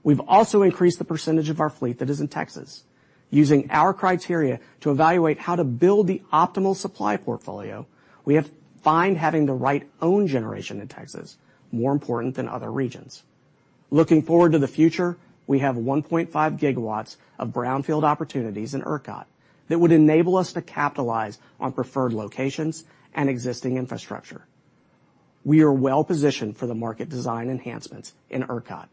We've also increased the percentage of our fleet that is in Texas. Using our criteria to evaluate how to build the optimal supply portfolio, we have find having the right own generation in Texas more important than other regions. Looking forward to the future, we have 1.5 GW of brownfield opportunities in ERCOT that would enable us to capitalize on preferred locations and existing infrastructure. We are well-positioned for the market design enhancements in ERCOT.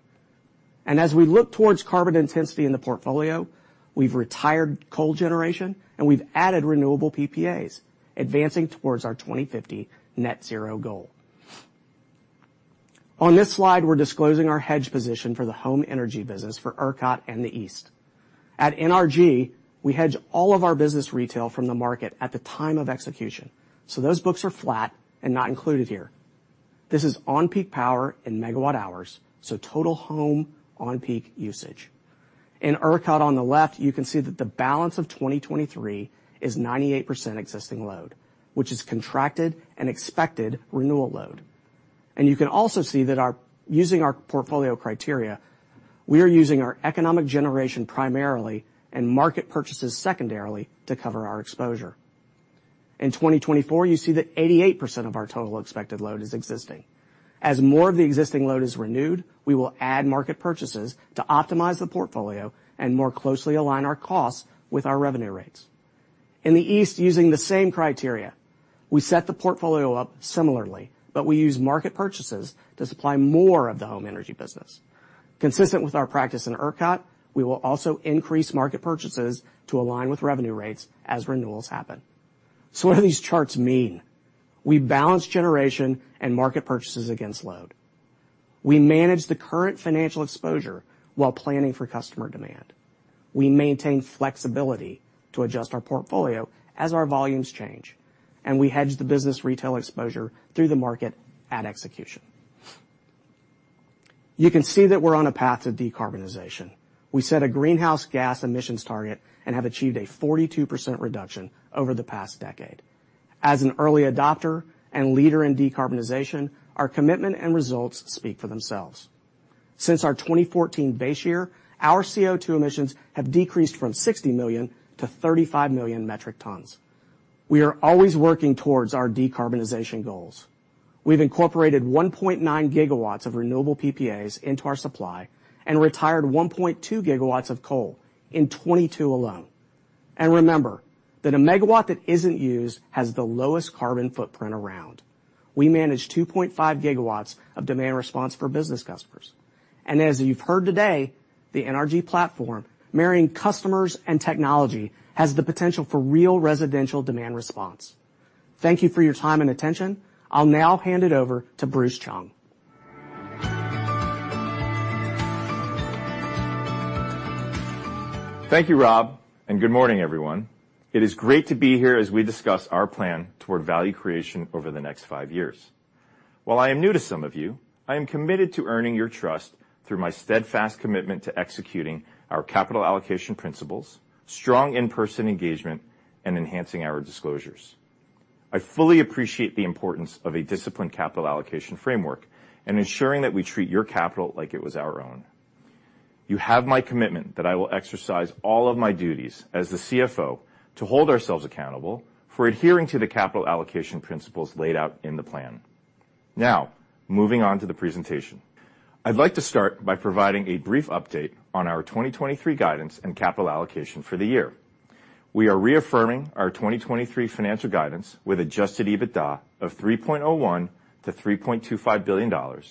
As we look towards carbon intensity in the portfolio, we've retired coal generation, we've added renewable PPAs, advancing towards our 2050 net zero goal. On this slide, we're disclosing our hedge position for the Home Energy business for ERCOT and the East. At NRG, we hedge all of our business retail from the market at the time of execution, so those books are flat and not included here. This is on-peak power in megawatt hours, so total home on-peak usage. In ERCOT, on the left, you can see that the balance of 2023 is 98% existing load, which is contracted and expected renewal load. You can also see that using our portfolio criteria, we are using our economic generation primarily and market purchases secondarily to cover our exposure. In 2024, you see that 88% of our total expected load is existing. As more of the existing load is renewed, we will add market purchases to optimize the portfolio and more closely align our costs with our revenue rates. In the East, using the same criteria, we set the portfolio up similarly, but we use market purchases to supply more of the Home Energy business. Consistent with our practice in ERCOT, we will also increase market purchases to align with revenue rates as renewals happen. What do these charts mean? We balance generation and market purchases against load. We manage the current financial exposure while planning for customer demand. We maintain flexibility to adjust our portfolio as our volumes change, and we hedge the business retail exposure through the market at execution. You can see that we're on a path to decarbonization. We set a greenhouse gas emissions target and have achieved a 42% reduction over the past decade. As an early adopter and leader in decarbonization, our commitment and results speak for themselves. Since our 2014 base year, our CO2 emissions have decreased from 60 million to 35 million metric tons. We are always working towards our decarbonization goals. We've incorporated 1.9 GW of renewable PPAs into our supply and retired 1.2 GW of coal in 2022 alone. Remember, that a megawatt that isn't used has the lowest carbon footprint around. We manage 2.5 GW of demand response for business customers. As you've heard today, the NRG platform, marrying customers and technology, has the potential for real residential demand response. Thank you for your time and attention. I'll now hand it over to Bruce Chung. Thank you, Rob, and good morning, everyone. It is great to be here as we discuss our plan toward value creation over the next five years. While I am new to some of you, I am committed to earning your trust through my steadfast commitment to executing our capital allocation principles, strong in-person engagement, and enhancing our disclosures. I fully appreciate the importance of a disciplined capital allocation framework and ensuring that we treat your capital like it was our own. You have my commitment that I will exercise all of my duties as the CFO to hold ourselves accountable for adhering to the capital allocation principles laid out in the plan. Moving on to the presentation. I'd like to start by providing a brief update on our 2023 guidance and capital allocation for the year. We are reaffirming our 2023 financial guidance, with adjusted EBITDA of $3.01 billion to $3.25 billion,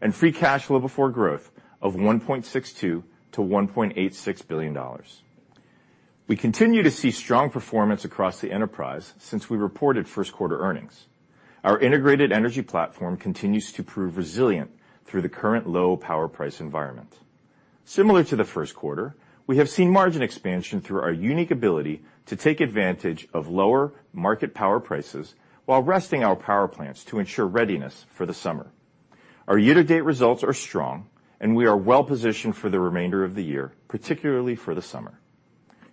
and free cash flow before growth of $1.62 billion to $1.86 billion. We continue to see strong performance across the enterprise since we reported first quarter earnings. Our integrated energy platform continues to prove resilient through the current low power price environment. Similar to the first quarter, we have seen margin expansion through our unique ability to take advantage of lower market power prices while resting our power plants to ensure readiness for the summer. Our year-to-date results are strong, and we are well-positioned for the remainder of the year, particularly for the summer.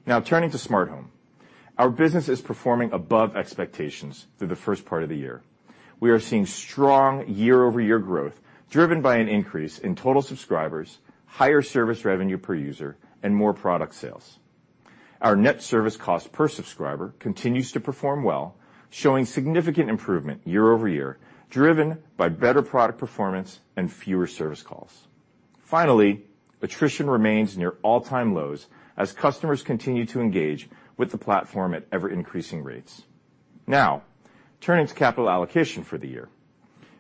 Now, turning to Smart Home. Our business is performing above expectations through the first part of the year. We are seeing strong year-over-year growth, driven by an increase in total subscribers, higher service revenue per user, and more product sales. Our net service cost per subscriber continues to perform well, showing significant improvement year-over-year, driven by better product performance and fewer service calls. Finally, attrition remains near all-time lows as customers continue to engage with the platform at ever-increasing rates. Now, turning to capital allocation for the year.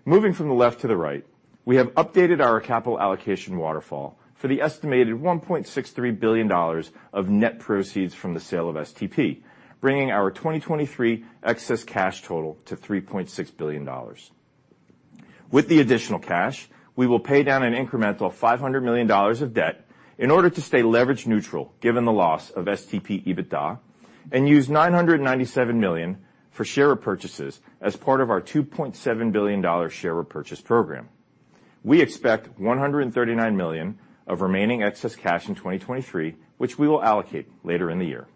Moving from the left to the right, we have updated our capital allocation waterfall for the estimated $1.63 billion of net proceeds from the sale of STP, bringing our 2023 excess cash total to $3.6 billion. With the additional cash, we will pay down an incremental $500 million of debt in order to stay leverage neutral, given the loss of STP EBITDA, and use $997 million for share repurchases as part of our $2.7 billion share repurchase program. We expect $139 million of remaining excess cash in 2023, which we will allocate later in the year.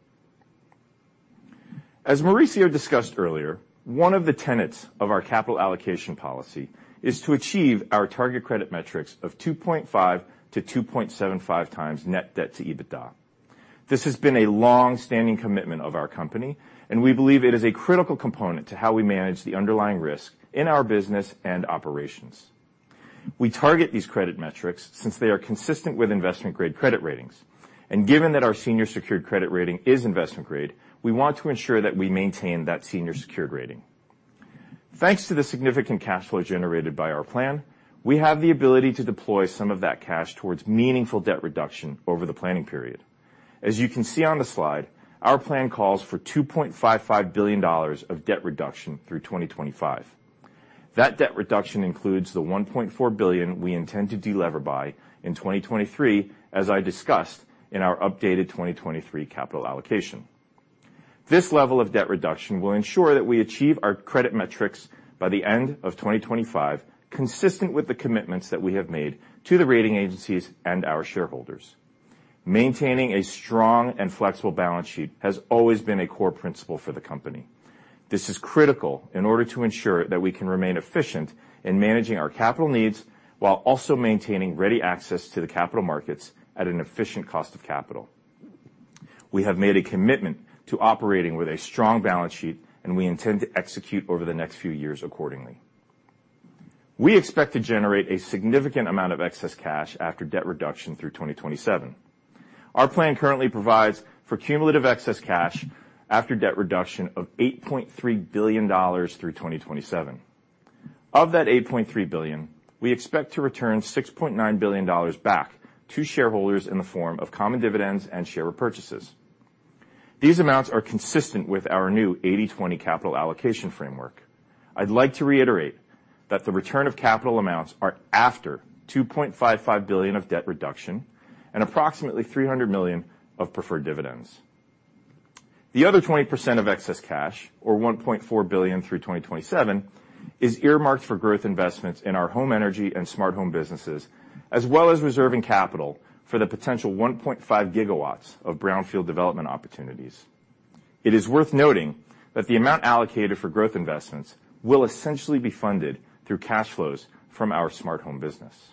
As Mauricio discussed earlier, one of the tenets of our capital allocation policy is to achieve our target credit metrics of 2.5x-2.75x net debt to EBITDA. This has been a long-standing commitment of our company. We believe it is a critical component to how we manage the underlying risk in our business and operations. We target these credit metrics since they are consistent with investment-grade credit ratings. Given that our senior secured credit rating is investment-grade, we want to ensure that we maintain that senior secured rating. Thanks to the significant cash flow generated by our plan, we have the ability to deploy some of that cash towards meaningful debt reduction over the planning period. As you can see on the slide, our plan calls for $2.55 billion of debt reduction through 2025. That debt reduction includes the $1.4 billion we intend to delever by in 2023, as I discussed in our updated 2023 capital allocation. This level of debt reduction will ensure that we achieve our credit metrics by the end of 2025, consistent with the commitments that we have made to the rating agencies and our shareholders. Maintaining a strong and flexible balance sheet has always been a core principle for the company. This is critical in order to ensure that we can remain efficient in managing our capital needs, while also maintaining ready access to the capital markets at an efficient cost of capital. We have made a commitment to operating with a strong balance sheet. We intend to execute over the next few years accordingly. We expect to generate a significant amount of excess cash after debt reduction through 2027. Our plan currently provides for cumulative excess cash after debt reduction of $8.3 billion through 2027. Of that $8.3 billion, we expect to return $6.9 billion back to shareholders in the form of common dividends and share repurchases. These amounts are consistent with our new 80/20 capital allocation framework. I'd like to reiterate that the return of capital amounts are after $2.55 billion of debt reduction and approximately $300 million of preferred dividends. The other 20% of excess cash, or $1.4 billion through 2027, is earmarked for growth investments in our home energy and smart home businesses, as well as reserving capital for the potential 1.5 GW of brownfield development opportunities. It is worth noting that the amount allocated for growth investments will essentially be funded through cash flows from our smart home business.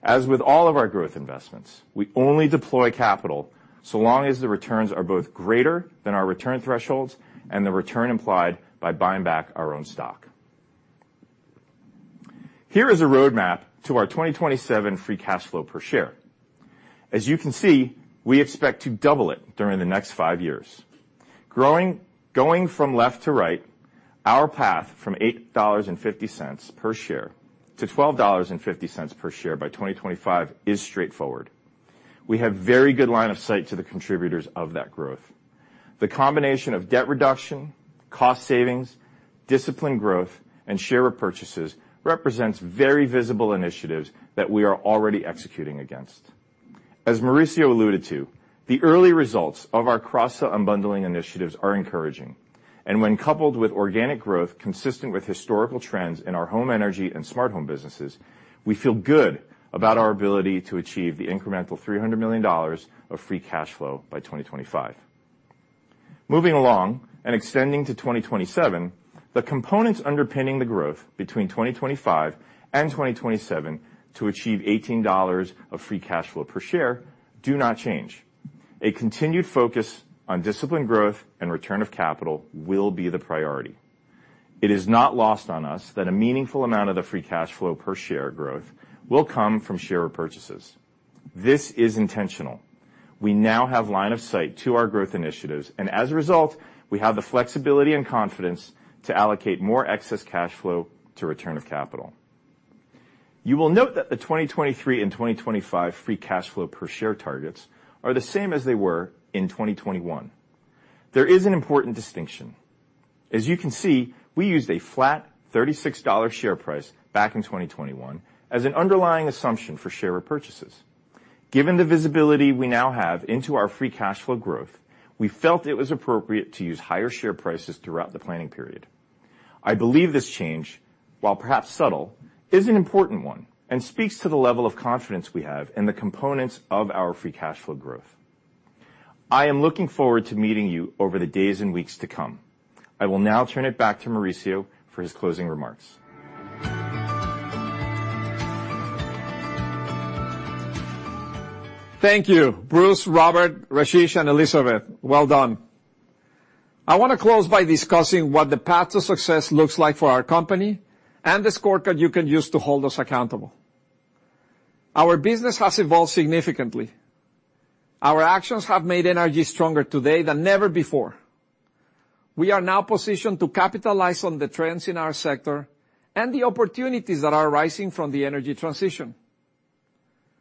As with all of our growth investments, we only deploy capital so long as the returns are both greater than our return thresholds and the return implied by buying back our own stock. Here is a roadmap to our 2027 free cash flow per share. As you can see, we expect to double it during the next five years. going from left to right, our path from $8.50 per share to $12.50 per share by 2025 is straightforward. We have very good line of sight to the contributors of that growth. The combination of debt reduction, cost savings, disciplined growth, and share repurchases represents very visible initiatives that we are already executing against. As Mauricio alluded to, the early results of our cross-sell unbundling initiatives are encouraging, and when coupled with organic growth consistent with historical trends in our home energy and smart home businesses, we feel good about our ability to achieve the incremental $300 million of free cash flow by 2025. Moving along, extending to 2027, the components underpinning the growth between 2025 and 2027 to achieve $18 of free cash flow per share do not change. A continued focus on disciplined growth and return of capital will be the priority. It is not lost on us that a meaningful amount of the free cash flow per share growth will come from share repurchases. This is intentional. We now have line of sight to our growth initiatives, as a result, we have the flexibility and confidence to allocate more excess cash flow to return of capital. You will note that the 2023 and 2025 free cash flow per share targets are the same as they were in 2021. There is an important distinction. As you can see, we used a flat $36 share price back in 2021 as an underlying assumption for share repurchases. Given the visibility we now have into our free cash flow growth, we felt it was appropriate to use higher share prices throughout the planning period. I believe this change, while perhaps subtle, is an important one and speaks to the level of confidence we have in the components of our free cash flow growth. I am looking forward to meeting you over the days and weeks to come. I will now turn it back to Mauricio for his closing remarks. Thank you, Bruce, Robert, Rasesh, and Elizabeth. Well done. I want to close by discussing what the path to success looks like for our company and the scorecard you can use to hold us accountable. Our business has evolved significantly. Our actions have made NRG stronger today than never before. We are now positioned to capitalize on the trends in our sector and the opportunities that are arising from the energy transition.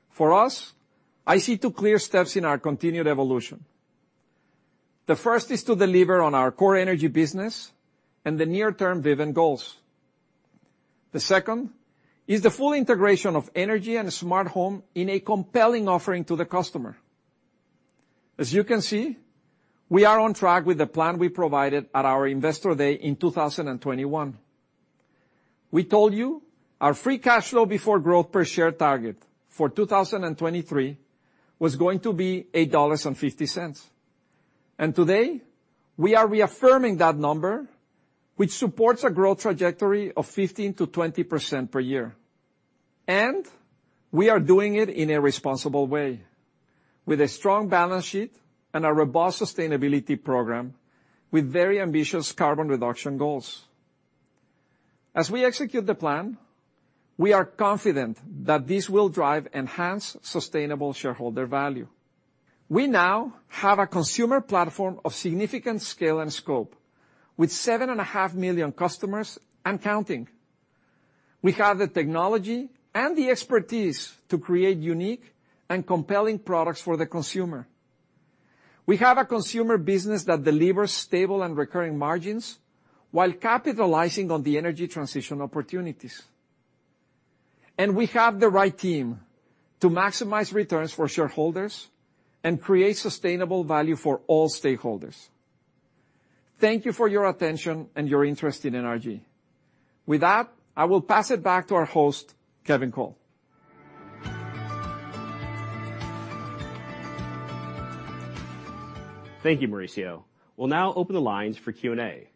For us, I see two clear steps in our continued evolution. The first is to deliver on our core energy business and the near-term Vivint goals. The second is the full integration of energy and smart home in a compelling offering to the customer. As you can see, we are on track with the plan we provided at our Investor Day in 2021. We told you our free cash flow before Growth per share target for 2023 was going to be $8.50. Today we are reaffirming that number, which supports a growth trajectory of 15%-20% per year. We are doing it in a responsible way, with a strong balance sheet and a robust sustainability program with very ambitious carbon reduction goals. As we execute the plan, we are confident that this will drive enhanced, sustainable shareholder value. We now have a consumer platform of significant scale and scope, with 7.5 million customers and counting. We have the technology and the expertise to create unique and compelling products for the consumer. We have a consumer business that delivers stable and recurring margins while capitalizing on the energy transition opportunities. We have the right team to maximize returns for shareholders and create sustainable value for all stakeholders. Thank you for your attention and your interest in NRG. With that, I will pass it back to our host, Kevin Cole. Thank you, Mauricio. We'll now open the lines for Q&A.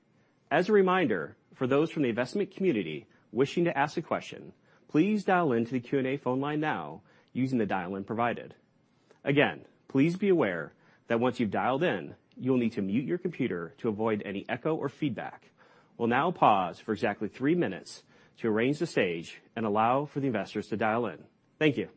As a reminder, for those from the investment community wishing to ask a question, please dial in to the Q&A phone line now using the dial-in provided. Again, please be aware that once you've dialed in, you will need to mute your computer to avoid any echo or feedback. We'll now pause for exactly three minutes to arrange the stage and allow for the investors to dial in. Thank you.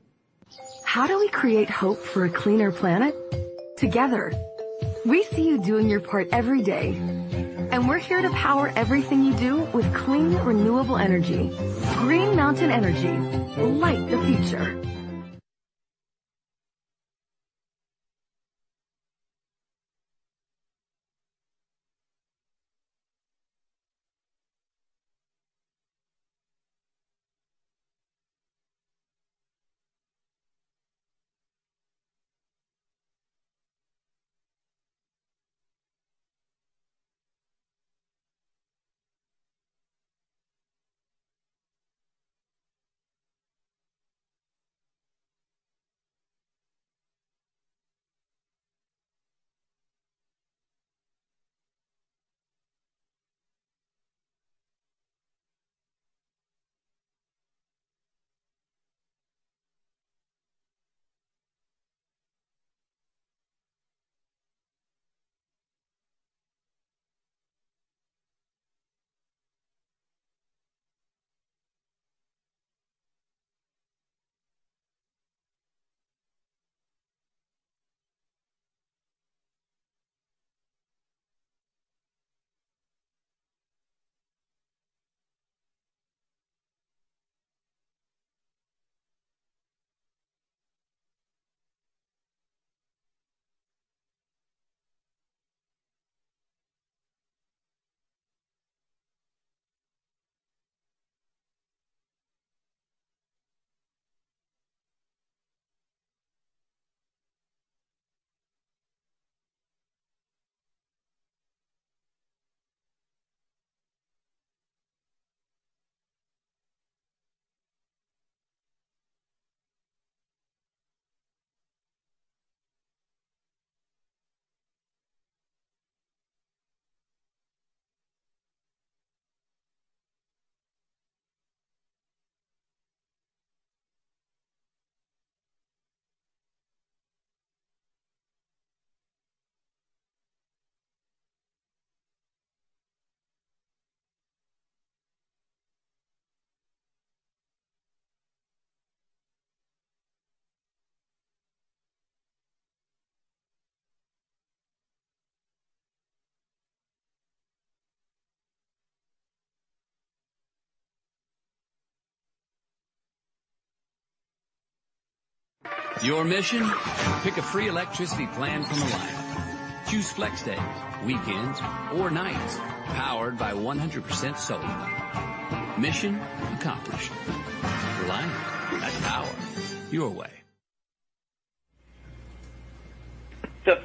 The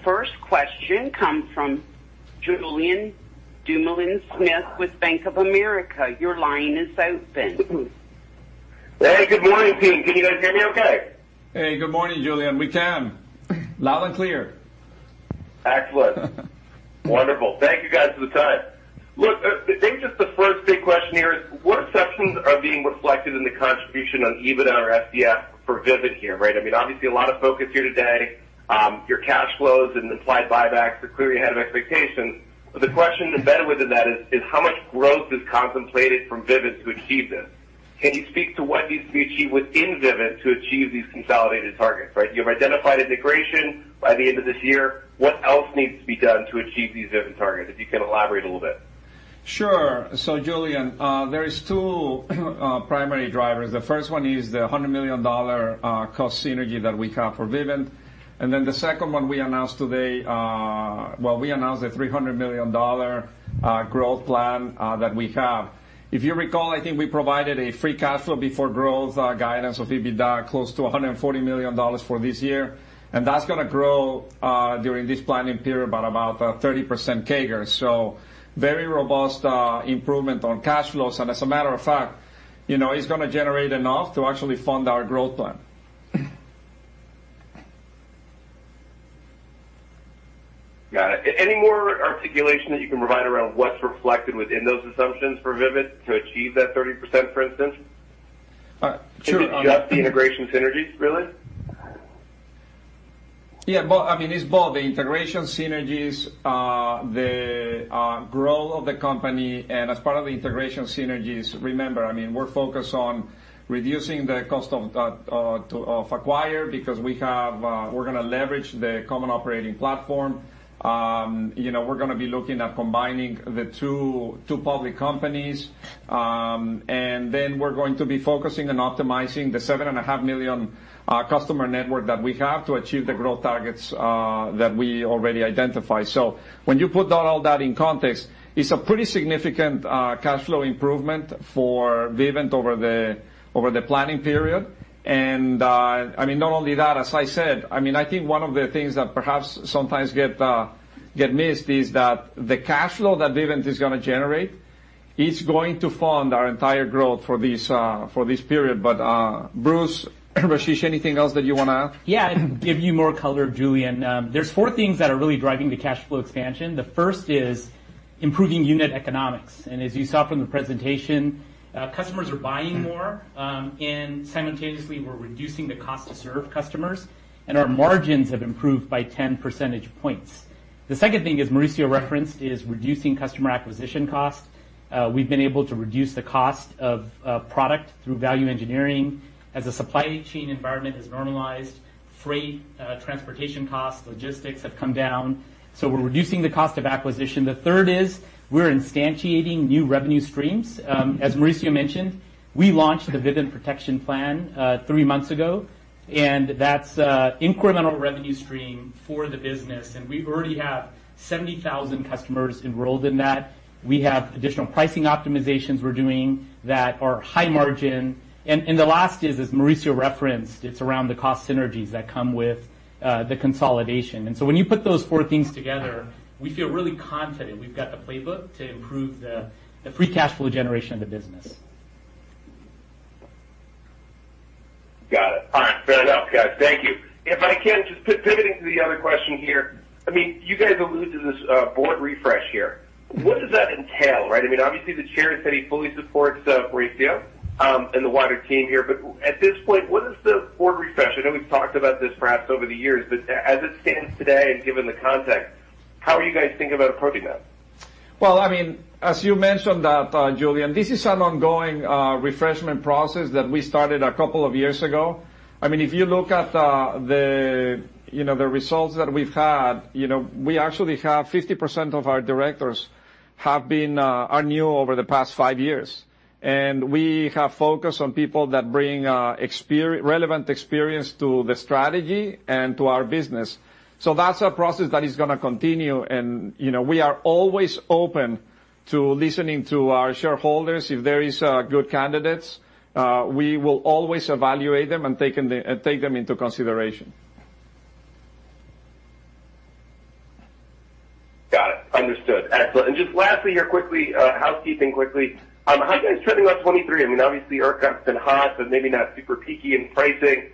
first question comes from Julien Dumoulin-Smith with Bank of America. Your line is open. Hey, good morning, team. Can you guys hear me okay? Hey, good morning, Julien. We can. Loud and clear. Excellent. Wonderful. Thank you, guys, for the time. Look, I think just the first big question here is, what assumptions are being reflected in the contribution on EBITDA or FCF for Vivint here, right? I mean, obviously, a lot of focus here today. Your cash flows and the applied buybacks are clearly ahead of expectations. The question embedded within that is how much growth is contemplated from Vivint to achieve this? Can you speak to what needs to be achieved within Vivint to achieve these consolidated targets, right? You have identified integration by the end of this year. What else needs to be done to achieve these Vivint targets? If you can elaborate a little bit. Sure. Julien, there are two primary drivers. The first one is the $100 million cost synergy that we have for Vivint. The second one we announced today. Well, we announced a $300 million growth plan that we have. If you recall, I think we provided a free cash flow before growth guidance of EBITDA, close to $140 million for this year, and that's going to grow during this planning period by about 30% CAGR. Very robust improvement on cash flows. As a matter of fact, you know, it's going to generate enough to actually fund our growth plan. Got it. Any more articulation that you can provide around what's reflected within those assumptions for Vivint to achieve that 30%, for instance? Sure- Is it just the integration synergies, really? Well, I mean, it's both. The integration synergies, the growth of the company and as part of the integration synergies, remember, I mean, we're focused on reducing the cost of acquire because we have, we're gonna leverage the common operating platform. You know, we're gonna be looking at combining the two public companies. We're going to be focusing on optimizing the $7.5 million customer network that we have to achieve the growth targets that we already identified. When you put down all that in context, it's a pretty significant cash flow improvement for Vivint over the planning period. I mean, not only that, as I said, I mean, I think one of the things that perhaps sometimes get missed is that the cash flow that Vivint is gonna generate is going to fund our entire growth for this, for this period. Bruce, Rasesh, anything else that you wanna add? Yeah, give you more color, Julien. There's four things that are really driving the cash flow expansion. The first is improving unit economics, as you saw from the presentation, customers are buying more, and simultaneously, we're reducing the cost to serve customers, and our margins have improved by 10 percentage points. The second thing, as Mauricio referenced, is reducing customer acquisition costs. We've been able to reduce the cost of product through value engineering. As the supply chain environment has normalized, freight, transportation costs, logistics have come down, we're reducing the cost of acquisition. The third is we're instantiating new revenue streams. As Mauricio mentioned, we launched the Vivint Protection Plan, three months ago, that's a incremental revenue stream for the business, we already have 70,000 customers enrolled in that. We have additional pricing optimizations we're doing that are high margin. The last is, as Mauricio referenced, it's around the cost synergies that come with the consolidation. When you put those four things together, we feel really confident we've got the playbook to improve the free cash flow generation of the business. Got it. All right, fair enough, guys. Thank you. If I can, just pivoting to the other question here, I mean, you guys allude to this board refresh here. What does that entail, right? I mean, obviously, the chair has said he fully supports Horacio and the wider team here. At this point, what is the board refresh? I know we've talked about this perhaps over the years, as it stands today and given the context, how are you guys thinking about approaching that? Well, I mean, as you mentioned that, Julien, this is an ongoing refreshment process that we started a couple of years ago. I mean, if you look at, you know, the results that we've had, you know, we actually have 50% of our directors have been, are new over the past five years. We have focused on people that bring relevant experience to the strategy and to our business. That's a process that is gonna continue, and, you know, we are always open to listening to our shareholders. If there is good candidates, we will always evaluate them and take them into consideration. Got it. Understood. Excellent. Just lastly here, quickly, housekeeping quickly. How are you guys trending on 2023? I mean, obviously, ERCOT's been hot, but maybe not super peaky in pricing.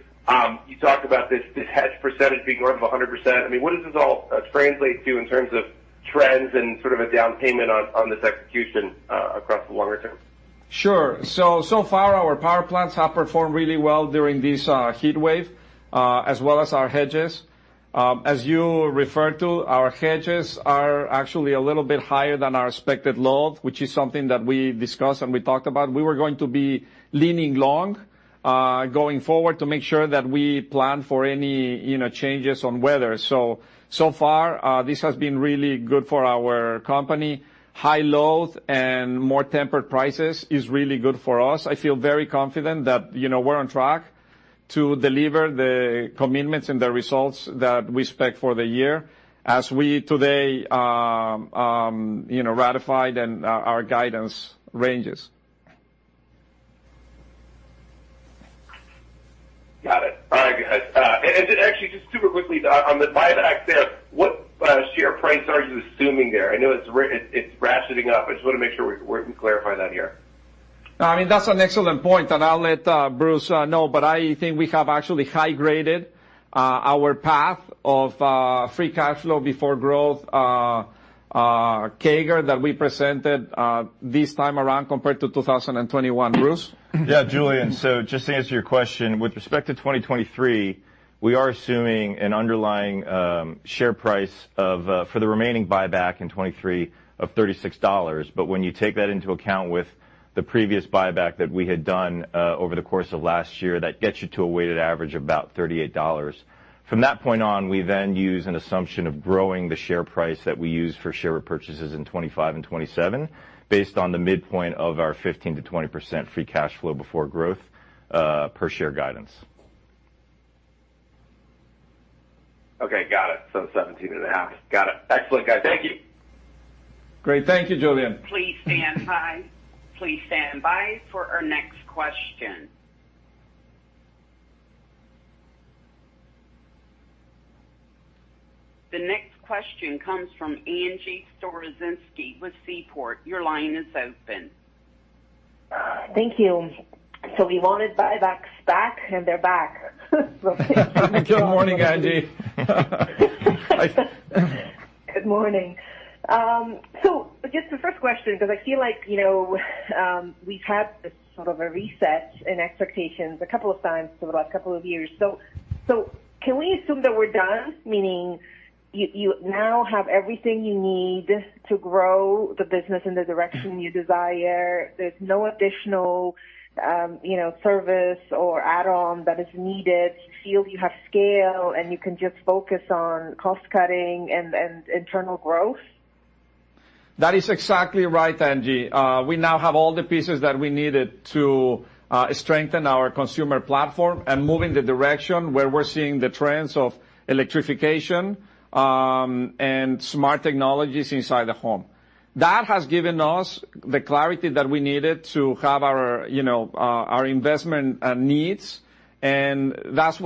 You talked about this hedge percentage being north of a 100%. I mean, what does this all translate to in terms of trends and sort of a down payment on this execution across the longer term? Sure. So far, our power plants have performed really well during this heat wave, as well as our hedges. As you referred to, our hedges are actually a little bit higher than our expected load, which is something that we discussed and we talked about. We were going to be leaning long going forward to make sure that we plan for any, you know, changes on weather. So far, this has been really good for our company. High loads and more tempered prices is really good for us. I feel very confident that, you know, we're on track to deliver the commitments and the results that we expect for the year as we today, you know, ratified and our guidance ranges. Got it. All right, guys. Actually, just super quickly, on the buyback there, what share price are you assuming there? I know it's ratcheting up. I just want to make sure we clarify that here. I mean, that's an excellent point, and I'll let Bruce know, but I think we have actually high-graded our path of free cash flow before growth CAGR that we presented this time around compared to 2021. Bruce? Yeah, Julien. Just to answer your question, with respect to 2023, we are assuming an underlying share price for the remaining buyback in 2023 of $36. When you take that into account with the previous buyback that we had done over the course of last year, that gets you to a weighted average of about $38. From that point on, we then use an assumption of growing the share price that we use for share repurchases in 2025 and 2027, based on the midpoint of our 15%-20% free cash flow before growth per share guidance. Okay, got it. 17.5%. Got it. Excellent, guys. Thank you. Great. Thank you, Julien. Please stand by. Please stand by for our next question. The next question comes from Angie Storozynski with Seaport. Your line is open. Thank you. We wanted buybacks back, and they're back. Good morning, Angie. Good morning. Just the first question, because I feel like, you know, we've had this sort of a reset in expectations a couple of times over the last couple of years. Can we assume that we're done, meaning you now have everything you need to grow the business in the direction you desire? There's no additional, you know, service or add-on that is needed. You feel you have scale, and you can just focus on cost cutting and internal growth? That is exactly right, Angie. We now have all the pieces that we needed to strengthen our consumer platform and move in the direction where we're seeing the trends of electrification and smart technologies inside the home. That has given us the clarity that we needed to have our, you know, our investment needs, and that's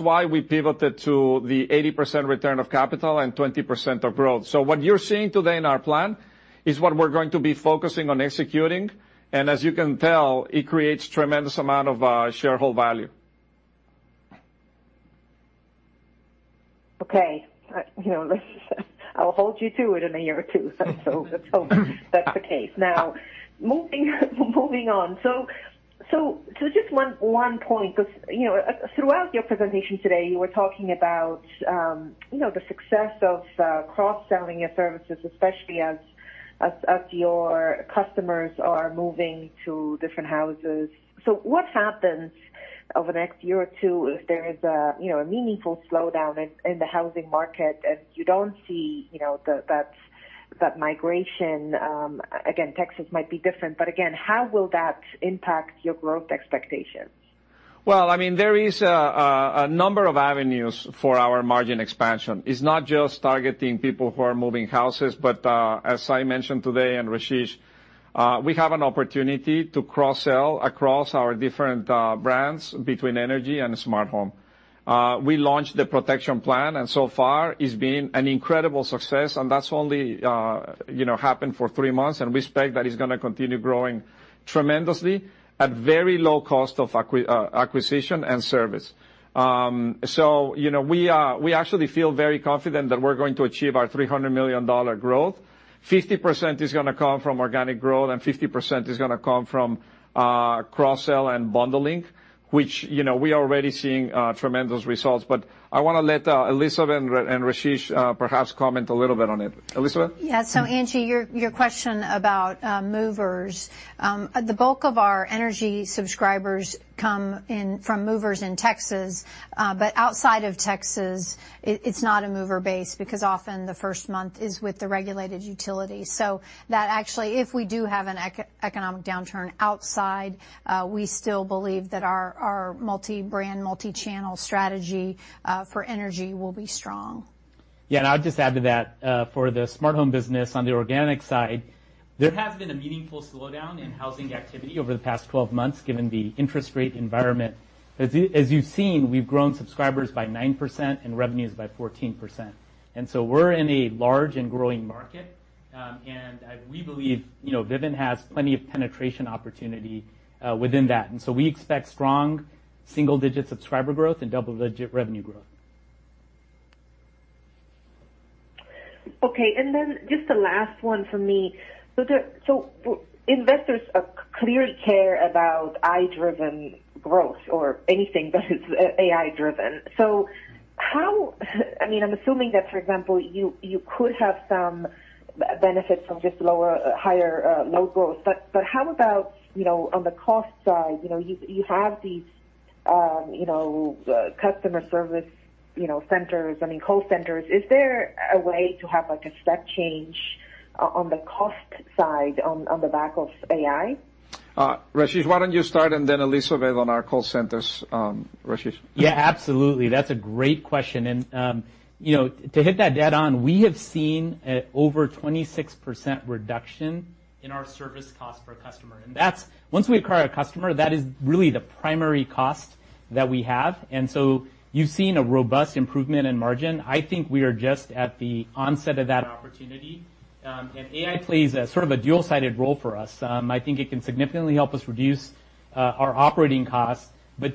why we pivoted to the 80% return of capital and 20% of growth. What you're seeing today in our plan is what we're going to be focusing on executing, and as you can tell, it creates tremendous amount of shareholder value. Okay. you know, I'll hold you to it in a year or two. Let's hope, let's hope that's the case. Moving on. Just one point, because, you know, throughout your presentation today, you were talking about, you know, the success of cross-selling your services, especially as your customers are moving to different houses. What happens over the next year or two if there is a, you know, a meaningful slowdown in the housing market and you don't see, you know, that migration? Again, Texas might be different, but again, how will that impact your growth expectations? Well, I mean, there is a number of avenues for our margin expansion. It's not just targeting people who are moving houses, but as I mentioned today, and Rasesh, we have an opportunity to cross-sell across our different brands between energy and Smart Home. We launched the Protection Plan, and so far it's been an incredible success, and that's only, you know, happened for three months, and we expect that it's gonna continue growing tremendously at very low cost of acquisition and service. You know, we actually feel very confident that we're going to achieve our $300 million growth. 50% is gonna come from organic growth, and 50% is gonna come from cross-sell and bundling, which, you know, we are already seeing tremendous results. I wanna let Elizabeth and Rasesh, perhaps comment a little bit on it. Elizabeth? Angie, your question about movers. The bulk of our energy subscribers come in from movers in Texas, but outside of Texas, it's not a mover base because often the first month is with the regulated utility. That actually, if we do have an economic downturn outside, we still believe that our multi-brand, multi-channel strategy for energy will be strong. I'll just add to that, for the smart home business on the organic side, there has been a meaningful slowdown in housing activity over the past 12 months, given the interest rate environment. As you've seen, we've grown subscribers by 9% and revenues by 14%. We're in a large and growing market, we believe, you know, Vivint has plenty of penetration opportunity within that. We expect strong single-digit subscriber growth and double-digit revenue growth. Just the last one for me. Investors, clearly care about AI-driven growth or anything that is AI-driven. How, I mean, I'm assuming that, for example, you could have some benefits from just lower, higher, low growth. How about, you know, on the cost side, you know, you have these, you know, customer service, you know, centers, I mean, call centers, is there a way to have, like, a step change on the cost side, on the back of AI? Rasesh, why don't you start and then Elizabeth on our call centers, Rasesh? Yeah, absolutely. That's a great question. You know, to hit that dead on, we have seen a over 26% reduction in our service cost per customer, once we acquire a customer, that is really the primary cost that we have. You've seen a robust improvement in margin. I think we are just at the onset of that opportunity, AI plays a sort of a dual-sided role for us. I think it can significantly help us reduce our operating costs.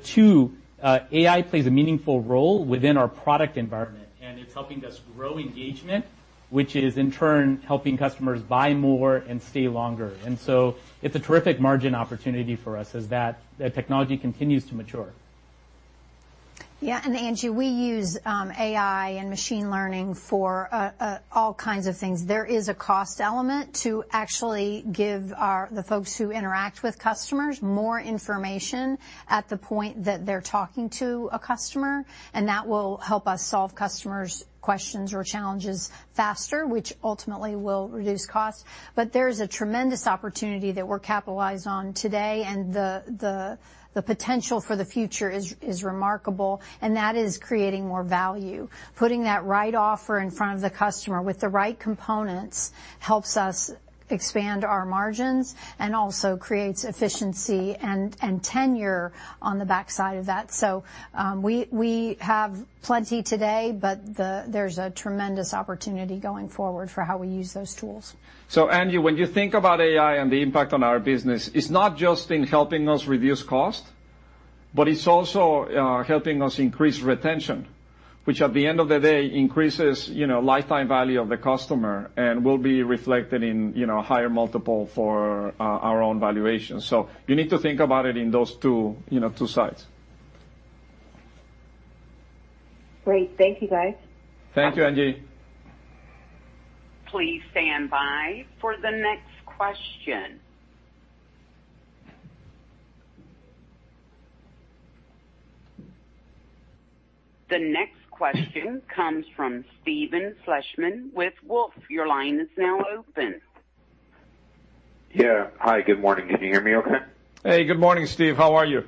Two, AI plays a meaningful role within our product environment, and it's helping us grow engagement, which is in turn helping customers buy more and stay longer. It's a terrific margin opportunity for us as that technology continues to mature. Yeah, Angie, we use AI and machine learning for all kinds of things. There is a cost element to actually give the folks who interact with customers more information at the point that they're talking to a customer, and that will help us solve customers' questions or challenges faster, which ultimately will reduce costs. There is a tremendous opportunity that we're capitalized on today, and the potential for the future is remarkable, and that is creating more value. Putting that right offer in front of the customer with the right components helps us expand our margins and also creates efficiency and tenure on the backside of that. We have plenty today, but there's a tremendous opportunity going forward for how we use those tools. Angie, when you think about AI and the impact on our business, it's not just in helping us reduce cost, but it's also helping us increase retention, which at the end of the day, increases, you know, lifetime value of the customer and will be reflected in, you know, a higher multiple for our own valuation. You need to think about it in those two, you know, two sides. Great. Thank you, guys. Thank you, Angie. Please stand by for the next question. The next question comes from Steve Fleishman with Wolfe Research. Your line is now open. Yeah. Hi, good morning. Can you hear me okay? Hey, good morning, Steve. How are you?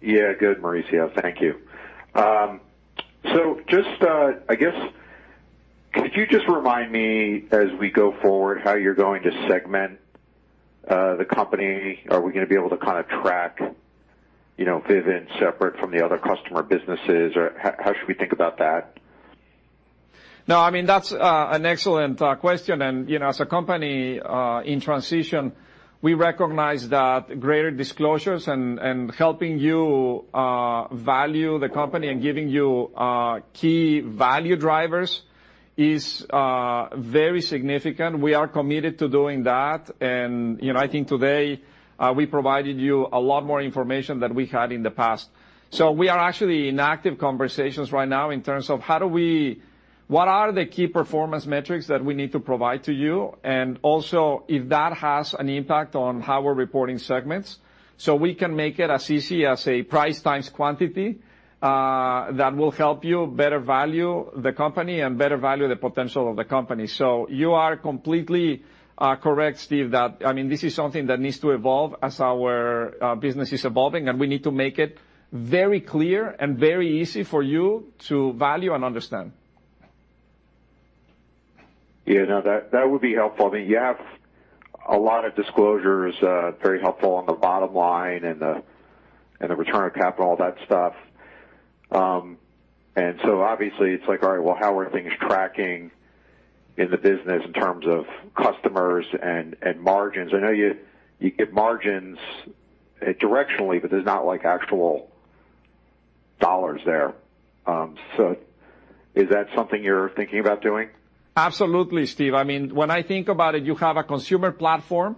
Yeah, good, Mauricio, thank you. Just, I guess, could you just remind me as we go forward, how you're going to segment the company? Are we gonna be able to kinda track, you know, Vivint separate from the other customer businesses, or how should we think about that? No, I mean, that's an excellent question. You know, as a company in transition, we recognize that greater disclosures and helping you value the company and giving you key value drivers is very significant. We are committed to doing that, and, you know, I think today, we provided you a lot more information than we had in the past. We are actually in active conversations right now in terms of What are the key performance metrics that we need to provide to you? Also, if that has an impact on how we're reporting segments, so we can make it as easy as a price times quantity, that will help you better value the company and better value the potential of the company. You are completely correct, Steve, that, I mean, this is something that needs to evolve as our business is evolving, and we need to make it very clear and very easy for you to value and understand. Yeah, no, that would be helpful. I mean, you have a lot of disclosures, very helpful on the bottom line and the return on capital, all that stuff. Obviously it's like, all right, well, how are things tracking in the business in terms of customers and margins? I know you get margins, directionally, but there's not, like, actual dollars there. Is that something you're thinking about doing? Absolutely, Steve. I mean, when I think about it, you have a consumer platform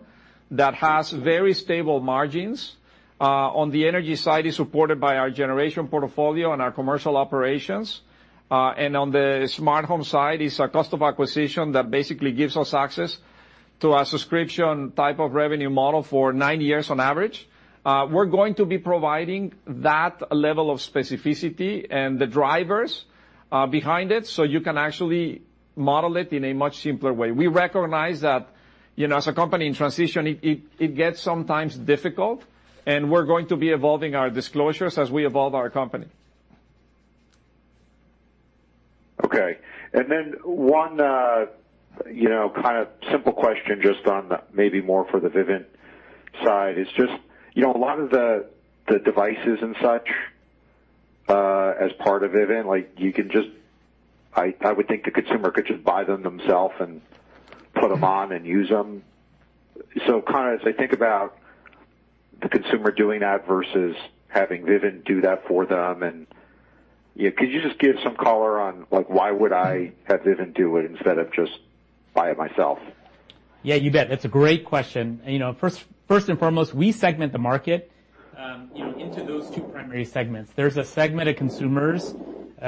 that has very stable margins. On the energy side, is supported by our generation portfolio and our commercial operations. On the smart home side, it's a cost of acquisition that basically gives us access to a subscription type of revenue model for nine years on average. We're going to be providing that level of specificity and the drivers behind it, so you can actually model it in a much simpler way. We recognize that, you know, as a company in transition, it gets sometimes difficult, we're going to be evolving our disclosures as we evolve our company. Okay. One, you know, kind of simple question, just on the maybe more for the Vivint side is just, you know, a lot of the devices and such, as part of Vivint, like, you can just I would think the consumer could just buy them themselves and put them on and use them. Kind of as I think about the consumer doing that versus having Vivint do that for them, and, yeah, could you just give some color on, like, why would I have Vivint do it instead of just buy it myself? Yeah, you bet. That's a great question. You know, first and foremost, we segment the market, you know, into those two primary segments. There's a segment of consumers,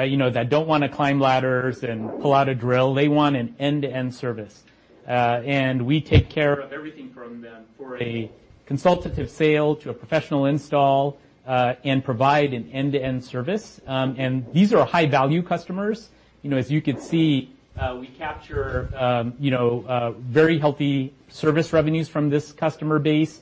you know, that don't wanna climb ladders and pull out a drill. They want an end-to-end service. We take care of everything from them for a consultative sale to a professional install, and provide an end-to-end service. These are high-value customers. You know, as you could see, we capture, you know, very healthy service revenues from this customer base.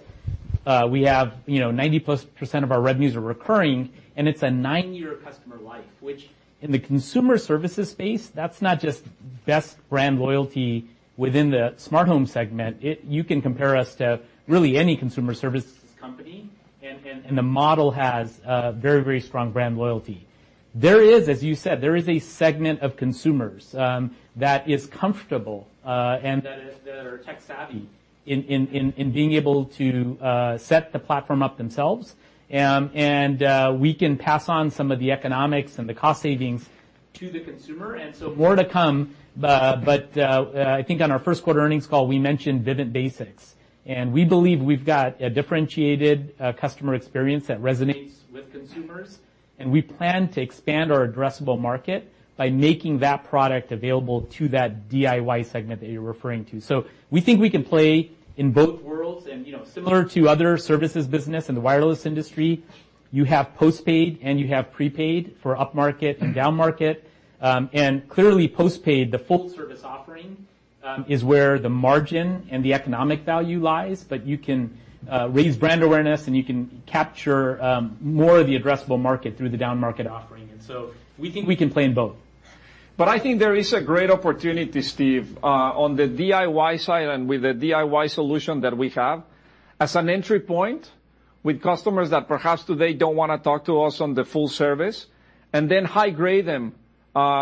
We have, you know, 90%+ of our revenues are recurring, and it's a nine-year customer life, which in the consumer services space, that's not just best brand loyalty within the smart home segment. You can compare us to really any consumer services company, and the model has a very, very strong brand loyalty. There is, as you said, there is a segment of consumers that is comfortable and that are tech savvy in being able to set the platform up themselves. We can pass on some of the economics and the cost savings to the consumer. More to come. I think on our first quarter earnings call, we mentioned Vivint Basics, and we believe we've got a differentiated customer experience that resonates with consumers, and we plan to expand our addressable market by making that product available to that DIY segment that you're referring to. We think we can play in both worlds, and, you know, similar to other services business in the wireless industry, you have postpaid, and you have prepaid for upmarket and downmarket. Clearly, postpaid, the full service offering, is where the margin and the economic value lies, but you can raise brand awareness, and you can capture more of the addressable market through the downmarket offering. We think we can play in both. I think there is a great opportunity, Steve, on the DIY side and with the DIY solution that we have, as an entry point with customers that perhaps today don't wanna talk to us on the full service, and then high-grade them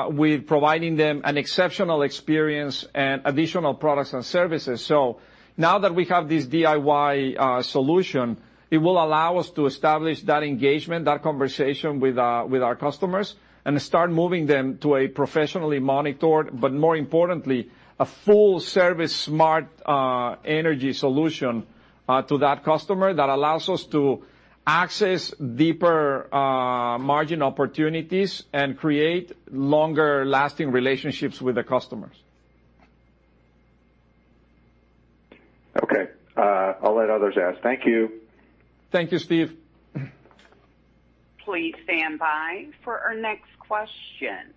with providing them an exceptional experience and additional products and services. Now that we have this DIY solution, it will allow us to establish that engagement, that conversation with our, with our customers and start moving them to a professionally monitored, but more importantly, a full-service smart energy solution to that customer that allows us to access deeper margin opportunities and create longer-lasting relationships with the customers. Okay, I'll let others ask. Thank you. Thank you, Steve. Please stand by for our next question.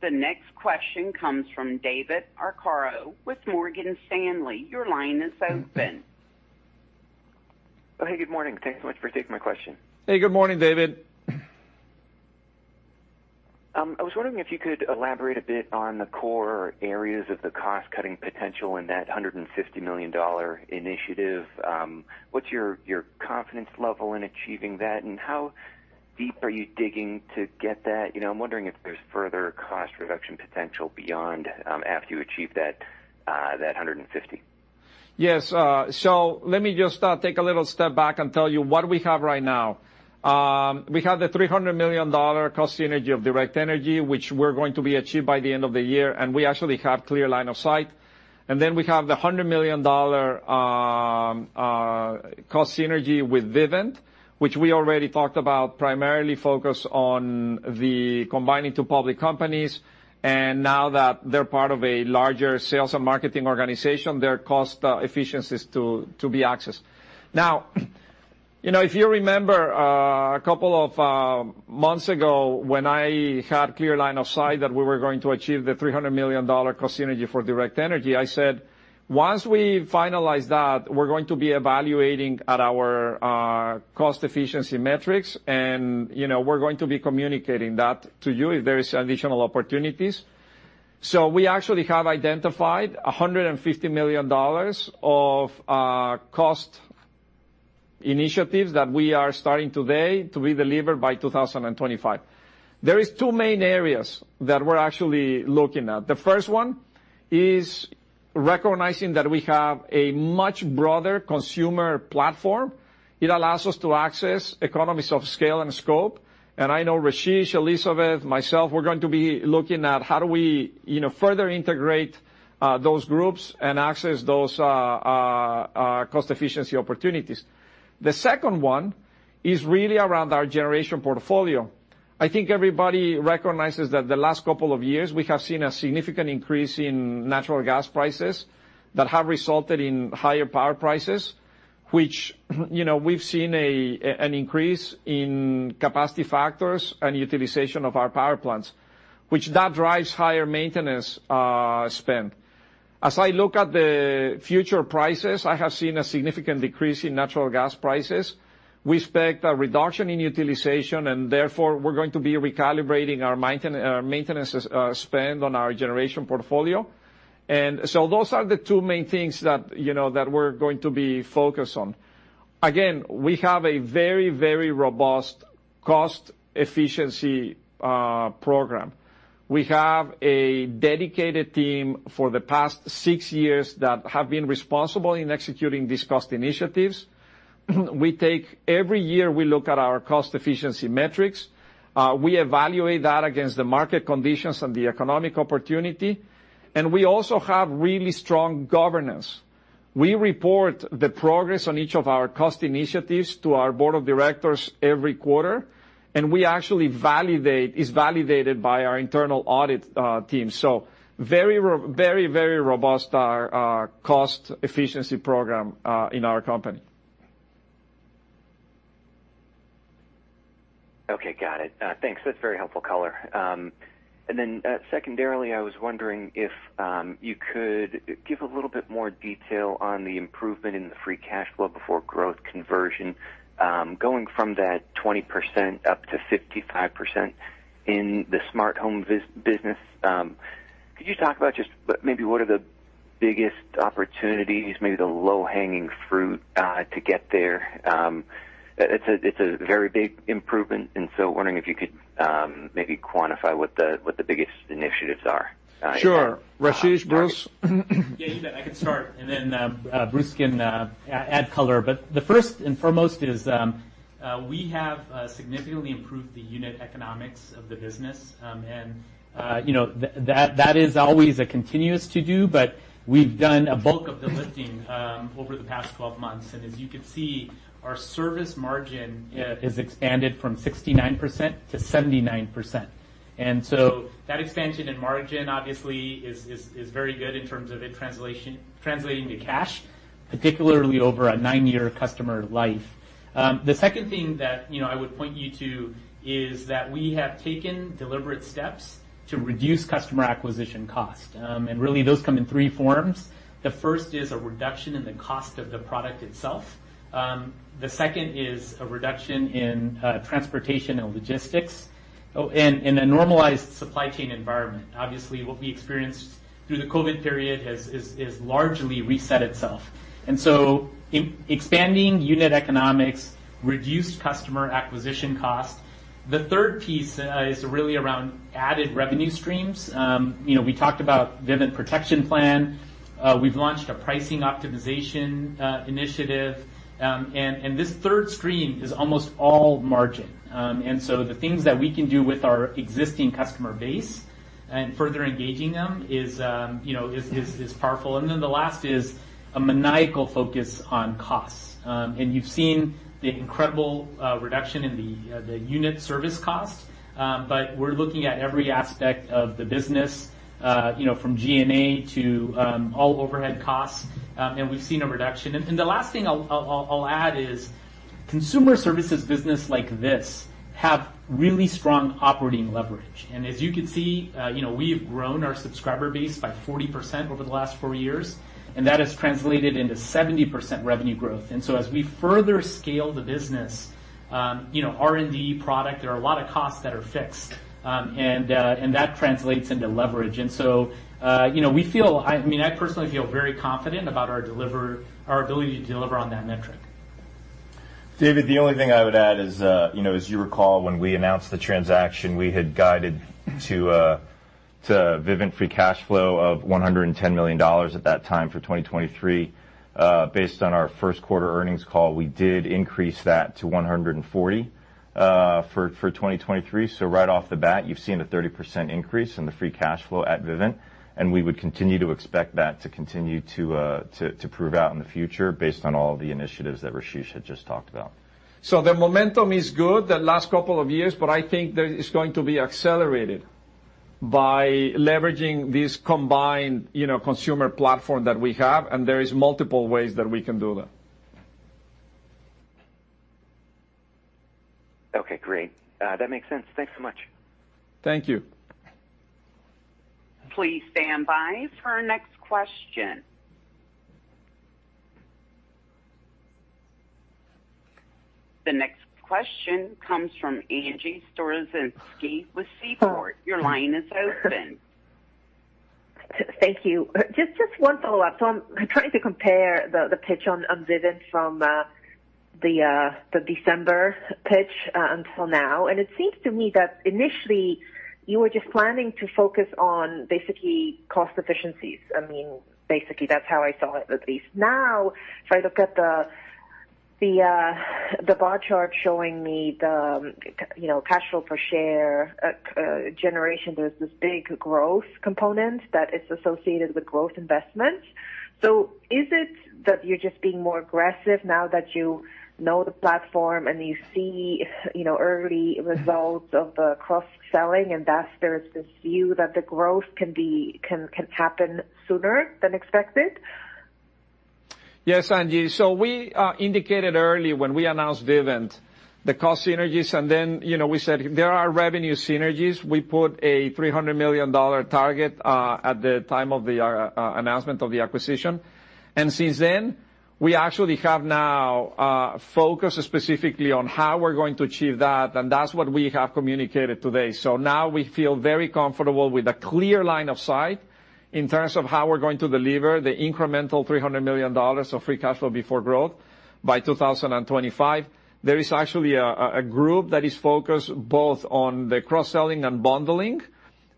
The next question comes from David Arcaro with Morgan Stanley. Your line is open. Hey, good morning. Thanks so much for taking my question. Hey, good morning, David. I was wondering if you could elaborate a bit on the core areas of the cost-cutting potential in that $150 million initiative. What's your confidence level in achieving that, and how deep are you digging to get that? You know, I'm wondering if there's further cost reduction potential beyond, after you achieve that $150 million. Let me just take a little step back and tell you what we have right now. We have the $300 million cost synergy of Direct Energy, which we're going to be achieved by the end of the year, and we actually have clear line of sight. We have the $100 million cost synergy with Vivint, which we already talked about, primarily focused on the combining two public companies. Now that they're part of a larger sales and marketing organization, there are cost efficiencies to be accessed. Now, you know, if you remember, a couple of months ago, when I had clear line of sight that we were going to achieve the $300 million cost synergy for Direct Energy, I said, "Once we finalize that, we're going to be evaluating at our cost efficiency metrics, and, you know, we're going to be communicating that to you if there is additional opportunities." We actually have identified $150 million of cost initiatives that we are starting today to be delivered by 2025. There is two main areas that we're actually looking at. The first one is recognizing that we have a much broader consumer platform. It allows us to access economies of scale and scope. I know Rasesh, Elizabeth, myself, we're going to be looking at how do we, you know, further integrate those groups and access those cost efficiency opportunities. The second one is really around our generation portfolio. I think everybody recognizes that the last couple of years, we have seen a significant increase in natural gas prices that have resulted in higher power prices, which, you know, we've seen an increase in capacity factors and utilization of our power plants, which that drives higher maintenance spend. As I look at the future prices, I have seen a significant decrease in natural gas prices. We expect a reduction in utilization, and therefore, we're going to be recalibrating our maintenance spend on our generation portfolio. Those are the two main things that, you know, that we're going to be focused on. We have a very, very robust cost efficiency program. We have a dedicated team for the past six years that have been responsible in executing these cost initiatives. Every year, we look at our cost efficiency metrics, we evaluate that against the market conditions and the economic opportunity. We also have really strong governance. We report the progress on each of our cost initiatives to our board of directors every quarter. It's validated by our internal audit team. Very, very robust, our cost efficiency program in our company. Okay, got it. Thanks. That's very helpful color. Secondarily, I was wondering if you could give a little bit more detail on the improvement in the free cash flow before growth conversion, going from that 20% up to 55% in the smart home business. Could you talk about just maybe what are the biggest opportunities, maybe the low-hanging fruit, to get there? It's a very big improvement, so wondering if you could maybe quantify what the biggest initiatives are? Sure. Rasesh, Bruce? Yeah, you bet. I can start, and then Bruce can add color. The first and foremost is, we have significantly improved the unit economics of the business. You know, that is always a continuous to-do, but we've done a bulk of the lifting over the past 12 months. As you can see, our service margin has expanded from 69% to 79%. That expansion in margin, obviously, is very good in terms of it translating to cash, particularly over a nine-year customer life. The second thing that, you know, I would point you to is that we have taken deliberate steps to reduce customer acquisition cost, and really, those come in three forms. The first is a reduction in the cost of the product itself. The second is a reduction in transportation and logistics. In a normalized supply chain environment. Obviously, what we experienced through the COVID period has largely reset itself. Expanding unit economics, reduced customer acquisition cost. The third piece is really around added revenue streams. You know, we talked about Vivint Protection Plan. We've launched a pricing optimization initiative, and this third stream is almost all margin. The things that we can do with our existing customer base and further engaging them is, you know, is powerful. The last is a maniacal focus on costs. You've seen the incredible reduction in the unit service cost, but we're looking at every aspect of the business, you know, from G&A to all overhead costs, and we've seen a reduction. The last thing I'll add is consumer services business like this have really strong operating leverage. As you can see, you know, we've grown our subscriber base by 40% over the last four years, and that has translated into 70% revenue growth. As we further scale the business, you know, R&D product, there are a lot of costs that are fixed, and that translates into leverage. You know, we feel. I mean, I personally feel very confident about our ability to deliver on that metric. David, the only thing I would add is, you know, as you recall, when we announced the transaction, we had guided to Vivint free cash flow of $110 million at that time for 2023. Based on our first quarter earnings call, we did increase that to $140 million for 2023. Right off the bat, you've seen a 30% increase in the free cash flow at Vivint, and we would continue to expect that to continue to prove out in the future based on all the initiatives that Rasesh had just talked about. The momentum is good the last couple of years, but I think that it's going to be accelerated by leveraging this combined, you know, consumer platform that we have, and there is multiple ways that we can do that. Okay, great. That makes sense. Thanks so much. Thank you. Please stand by for our next question. The next question comes from Angie Storozynski with Seaport. Your line is open. Thank you. Just one follow-up. I'm trying to compare the pitch on Vivint from the December pitch until now, and it seems to me that initially you were just planning to focus on basically cost efficiencies. I mean, basically that's how I saw it, at least. Now, if I look at the bar chart showing me the, you know, cash flow per share generation, there's this big growth component that is associated with growth investments. Is it that you're just being more aggressive now that you know the platform and you see, you know, early results of the cross-selling, and thus there is this view that the growth can happen sooner than expected? Yes, Angie. We indicated earlier when we announced Vivint, the cost synergies, and then, you know, we said there are revenue synergies. We put a $300 million target at the time of the announcement of the acquisition. Since then, we actually have now focused specifically on how we're going to achieve that, and that's what we have communicated today. Now we feel very comfortable with a clear line of sight in terms of how we're going to deliver the incremental $300 million of free cash flow before growth by 2025. There is actually a group that is focused both on the cross-selling and bundling,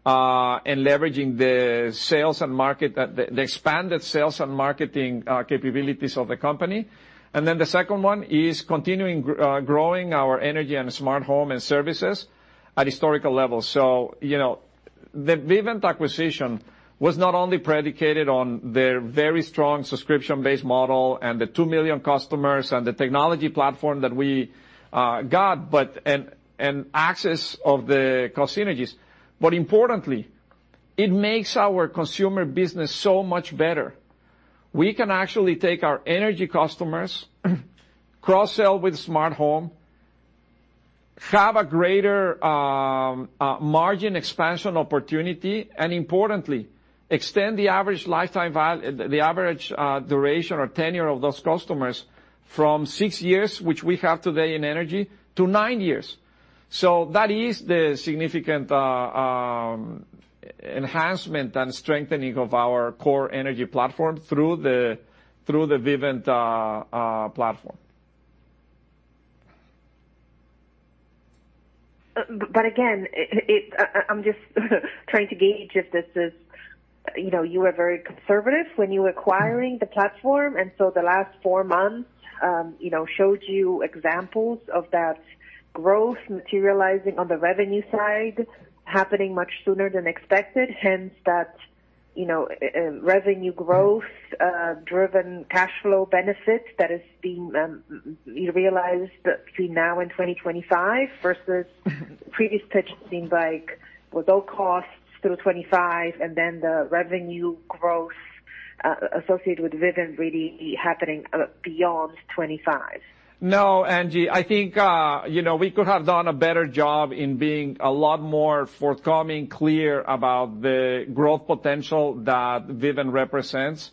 and leveraging the expanded sales and marketing capabilities of the company. The second one is continuing growing our energy and smart home and services at historical levels. You know, the Vivint acquisition was not only predicated on their very strong subscription-based model and the 2 million customers and the technology platform that we got, but and access of the cost synergies. Importantly, it makes our consumer business so much better. We can actually take our energy customers, cross-sell with smart home, have a greater margin expansion opportunity, and importantly, extend the average lifetime the average duration or tenure of those customers from six years, which we have today in energy, to nine years. That is the significant enhancement and strengthening of our core energy platform through the, through the Vivint platform. Again, I'm just trying to gauge if this is, you know, you were very conservative when you were acquiring the platform, and so the last four months, you know, showed you examples of that growth materializing on the revenue side, happening much sooner than expected, hence that, you know, revenue growth driven cash flow benefit that is being realized between now and 2025 versus previous pitch seeming like with all costs through 2025, and then the revenue growth, associated with Vivint really happening beyond 2025. No, Angie, I think, you know, we could have done a better job in being a lot more forthcoming, clear about the growth potential that Vivint represents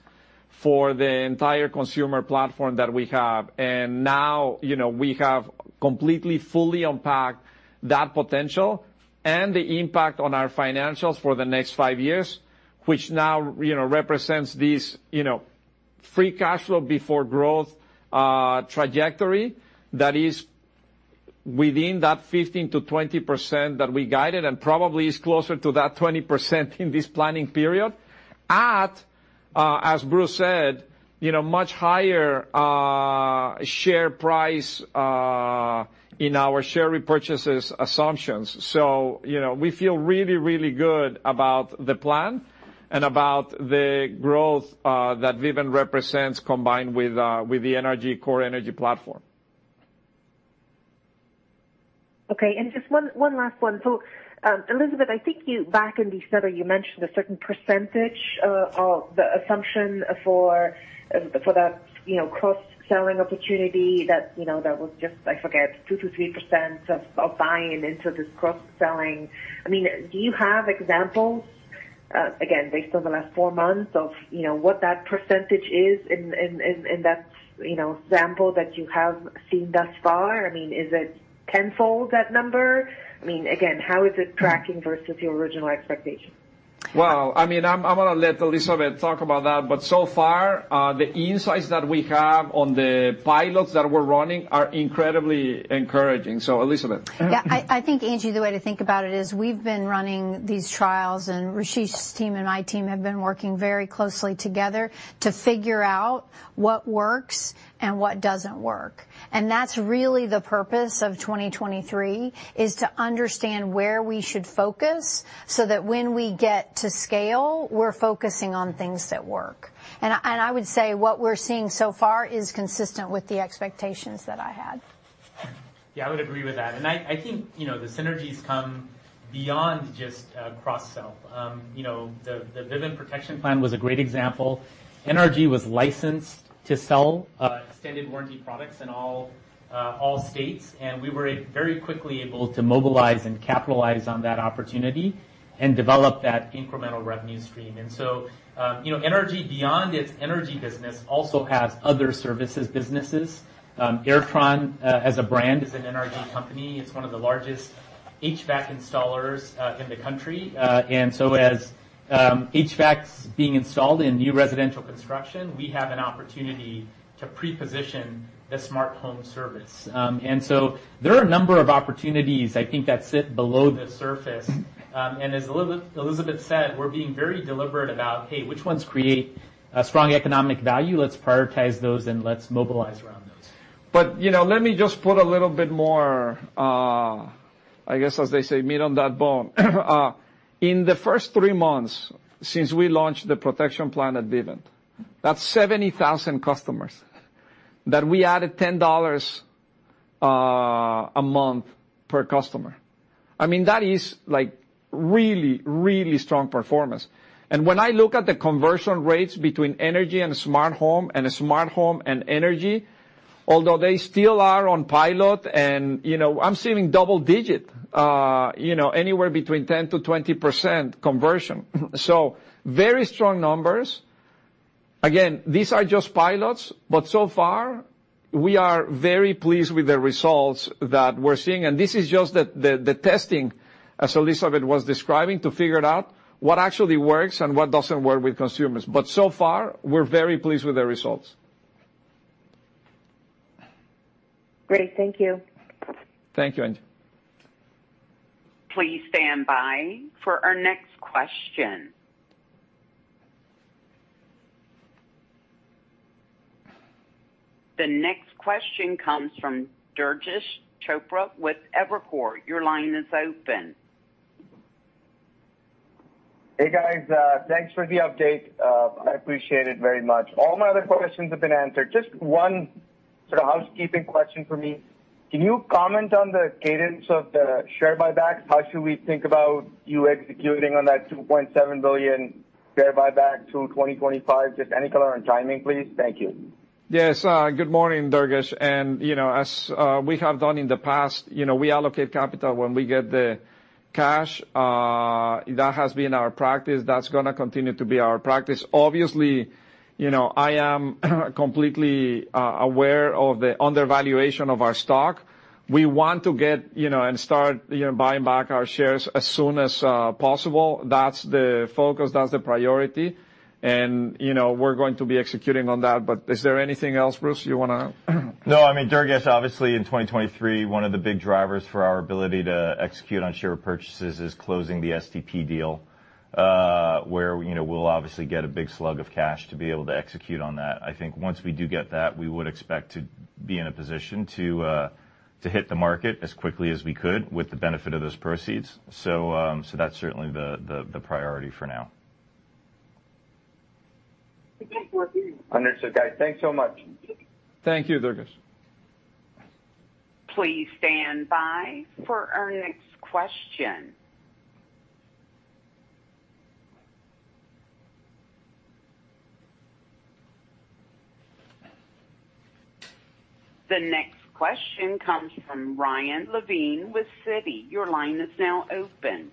for the entire consumer platform that we have. You know, we have completely, fully unpacked that potential and the impact on our financials for the next five years, which now, you know, represents this, you know, free cash flow before growth trajectory that is within that 15%-20% that we guided, and probably is closer to that 20% in this planning period, as Bruce said, you know, much higher share price in our share repurchases assumptions. You know, we feel really, really good about the plan and about the growth that Vivint represents, combined with the energy, core energy platform. Okay, just one last one. Elizabeth, I think you back in December, you mentioned a certain percentage of the assumption for that, you know, cross-selling opportunity that, you know, that was just, I forget, 2%-3% of buying into this cross-selling. I mean, do you have examples, again, based on the last four months of, you know, what that percentage is in that, you know, sample that you have seen thus far? I mean, is it tenfold that number? I mean, again, how is it tracking versus your original expectation? Well, I mean, I'm gonna let Elizabeth talk about that, but so far, the insights that we have on the pilots that we're running are incredibly encouraging. Elizabeth? Yeah, I think, Angie, the way to think about it is we've been running these trials, Rasesh's team and my team have been working very closely together to figure out what works and what doesn't work. That's really the purpose of 2023, is to understand where we should focus so that when we get to scale, we're focusing on things that work. I would say what we're seeing so far is consistent with the expectations that I had. Yeah, I would agree with that. I think, you know, the synergies come beyond just cross-sell. You know, the Vivint Protection Plan was a great example. NRG was licensed to sell extended warranty products in all states, and we were very quickly able to mobilize and capitalize on that opportunity and develop that incremental revenue stream. You know, NRG, beyond its energy business, also has other services businesses. Airtron, as a brand, is an NRG company. It's one of the largest HVAC installers in the country. As HVAC's being installed in new residential construction, we have an opportunity to pre-position the smart home service. There are a number of opportunities, I think, that sit below the surface. As Elizabeth said, we're being very deliberate about, hey, which ones create a strong economic value? Let's prioritize those, and let's mobilize around those. You know, let me just put a little bit more, I guess, as they say, meat on that bone. In the first three months since we launched the protection plan at Vivint, that's 70,000 customers that we added $10 a month per customer. I mean, that is, like, really, really strong performance. When I look at the conversion rates between energy and smart home and smart home and energy, although they still are on pilot, and, you know, I'm seeing double digit, you know, anywhere between 10%-20% conversion. Very strong numbers. Again, these are just pilots, but so far, we are very pleased with the results that we're seeing. This is just the, the testing, as Elizabeth was describing, to figure out what actually works and what doesn't work with consumers. So far, we're very pleased with the results. Great. Thank you. Thank you, Angie. Please stand by for our next question. The next question comes from Durgesh Chopra with Evercore. Your line is open. Hey, guys, thanks for the update. I appreciate it very much. All my other questions have been answered. Just one sort of housekeeping question for me. Can you comment on the cadence of the share buybacks? How should we think about you executing on that $2.7 billion share buyback through 2025? Just any color on timing, please. Thank you. Yes. Good morning, Durgesh. You know, as we have done in the past, you know, we allocate capital when we get the cash. That has been our practice. That's gonna continue to be our practice. Obviously, you know, I am completely aware of the undervaluation of our stock. We want to get, you know, and start, you know, buying back our shares as soon as possible. That's the focus, that's the priority, and, you know, we're going to be executing on that. Is there anything else, Bruce, you wanna...? No, I mean, Durgesh, obviously, in 2023, one of the big drivers for our ability to execute on share purchases is closing the STP deal, where, you know, we'll obviously get a big slug of cash to be able to execute on that. I think once we do get that, we would expect to be in a position to hit the market as quickly as we could with the benefit of those proceeds. That's certainly the priority for now. Understood, guys. Thanks so much. Thank you, Durgesh. Please stand by for our next question. The next question comes from Ryan Levine with Citi. Your line is now open.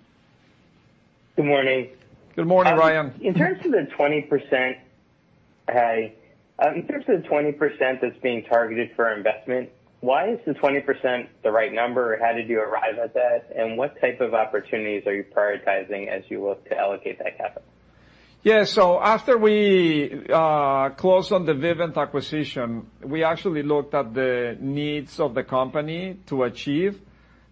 Good morning. Good morning, Ryan. In terms of the 20%... Hey. In terms of the 20% that's being targeted for investment, why is the 20% the right number? How did you arrive at that? What type of opportunities are you prioritizing as you look to allocate that capital? Yeah, after we closed on the Vivint acquisition, we actually looked at the needs of the company to achieve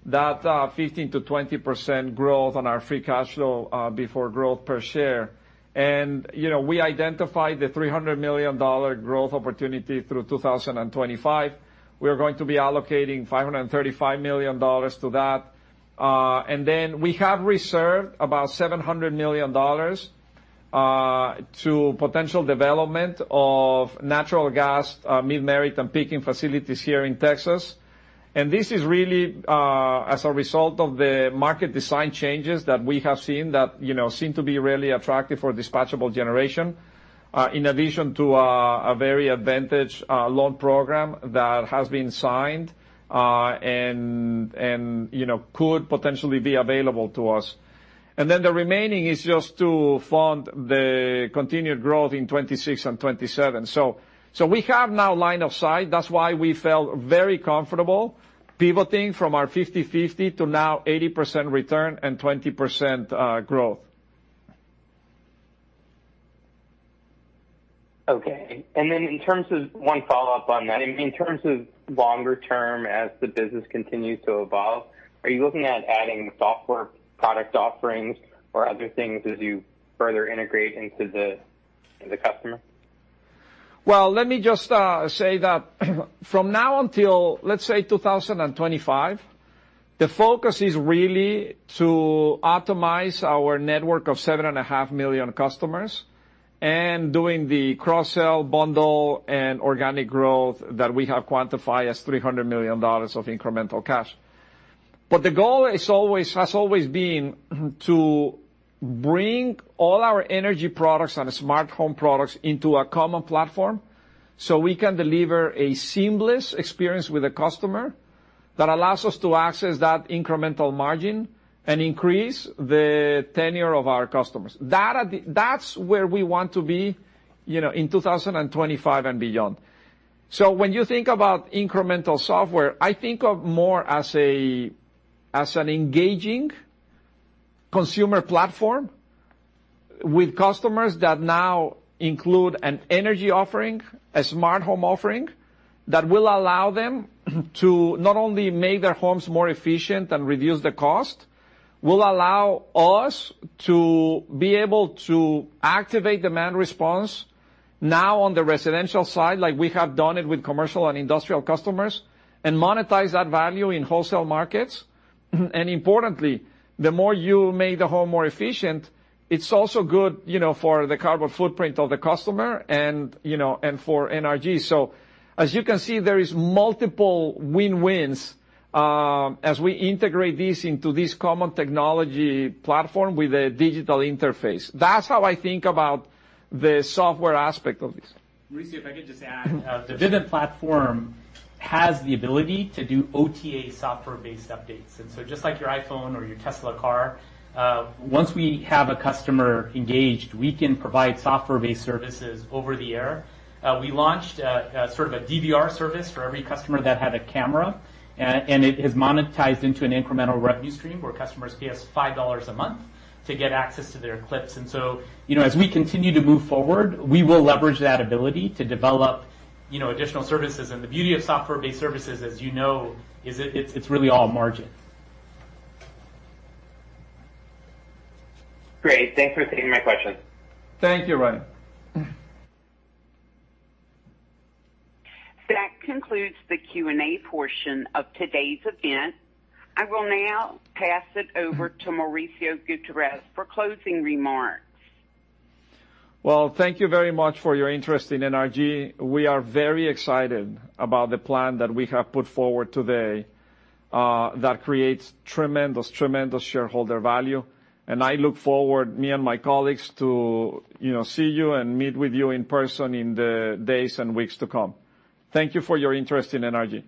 that 15%-20% growth on our free cash flow before growth per share. You know, we identified the $300 million growth opportunity through 2025. We are going to be allocating $535 million to that. Then we have reserved about $700 million to potential development of natural gas mid-market and peaking facilities here in Texas. This is really as a result of the market design changes that we have seen that, you know, seem to be really attractive for dispatchable generation, in addition to a very advantaged loan program that has been signed, and, you know, could potentially be available to us. The remaining is just to fund the continued growth in 2026 and 2027. We have now line of sight. That's why we felt very comfortable pivoting from our 50/50 to now 80% return and 20% growth. Okay. One follow-up on that. In terms of longer term, as the business continues to evolve, are you looking at adding software product offerings or other things as you further integrate into the customer? Well, let me just say that from now until, let's say, 2025. The focus is really to optimize our network of 7,500,000 customers, and doing the cross-sell, bundle, and organic growth that we have quantified as $300 million of incremental cash. The goal has always been to bring all our energy products and smart home products into a common platform, so we can deliver a seamless experience with the customer, that allows us to access that incremental margin and increase the tenure of our customers. That's where we want to be, you know, in 2025 and beyond. When you think about incremental software, I think of more as an engaging consumer platform with customers that now include an energy offering, a smart home offering, that will allow them to not only make their homes more efficient and reduce the cost, will allow us to be able to activate demand response now on the residential side, like we have done it with commercial and industrial customers, and monetize that value in wholesale markets. Importantly, the more you make the home more efficient, it's also good, you know, for the carbon footprint of the customer and, you know, and for NRG. As you can see, there is multiple win-wins as we integrate this into this common technology platform with a digital interface. That's how I think about the software aspect of this. Mauricio, if I could just add, the Vivint platform has the ability to do OTA software-based updates. Just like your iPhone or your Tesla car, once we have a customer engaged, we can provide software-based services over the air. We launched a sort of a DVR service for every customer that had a camera, and it has monetized into an incremental revenue stream, where customers pay us $5 a month to get access to their clips. You know, as we continue to move forward, we will leverage that ability to develop, you know, additional services. The beauty of software-based services, as you know, is it's really all margin. Great. Thanks for taking my question. Thank you, Ryan. That concludes the Q&A portion of today's event. I will now pass it over to Mauricio Gutierrez for closing remarks. Well, thank you very much for your interest in NRG. We are very excited about the plan that we have put forward today, that creates tremendous shareholder value. I look forward, me and my colleagues, to, you know, see you and meet with you in person in the days and weeks to come. Thank you for your interest in NRG.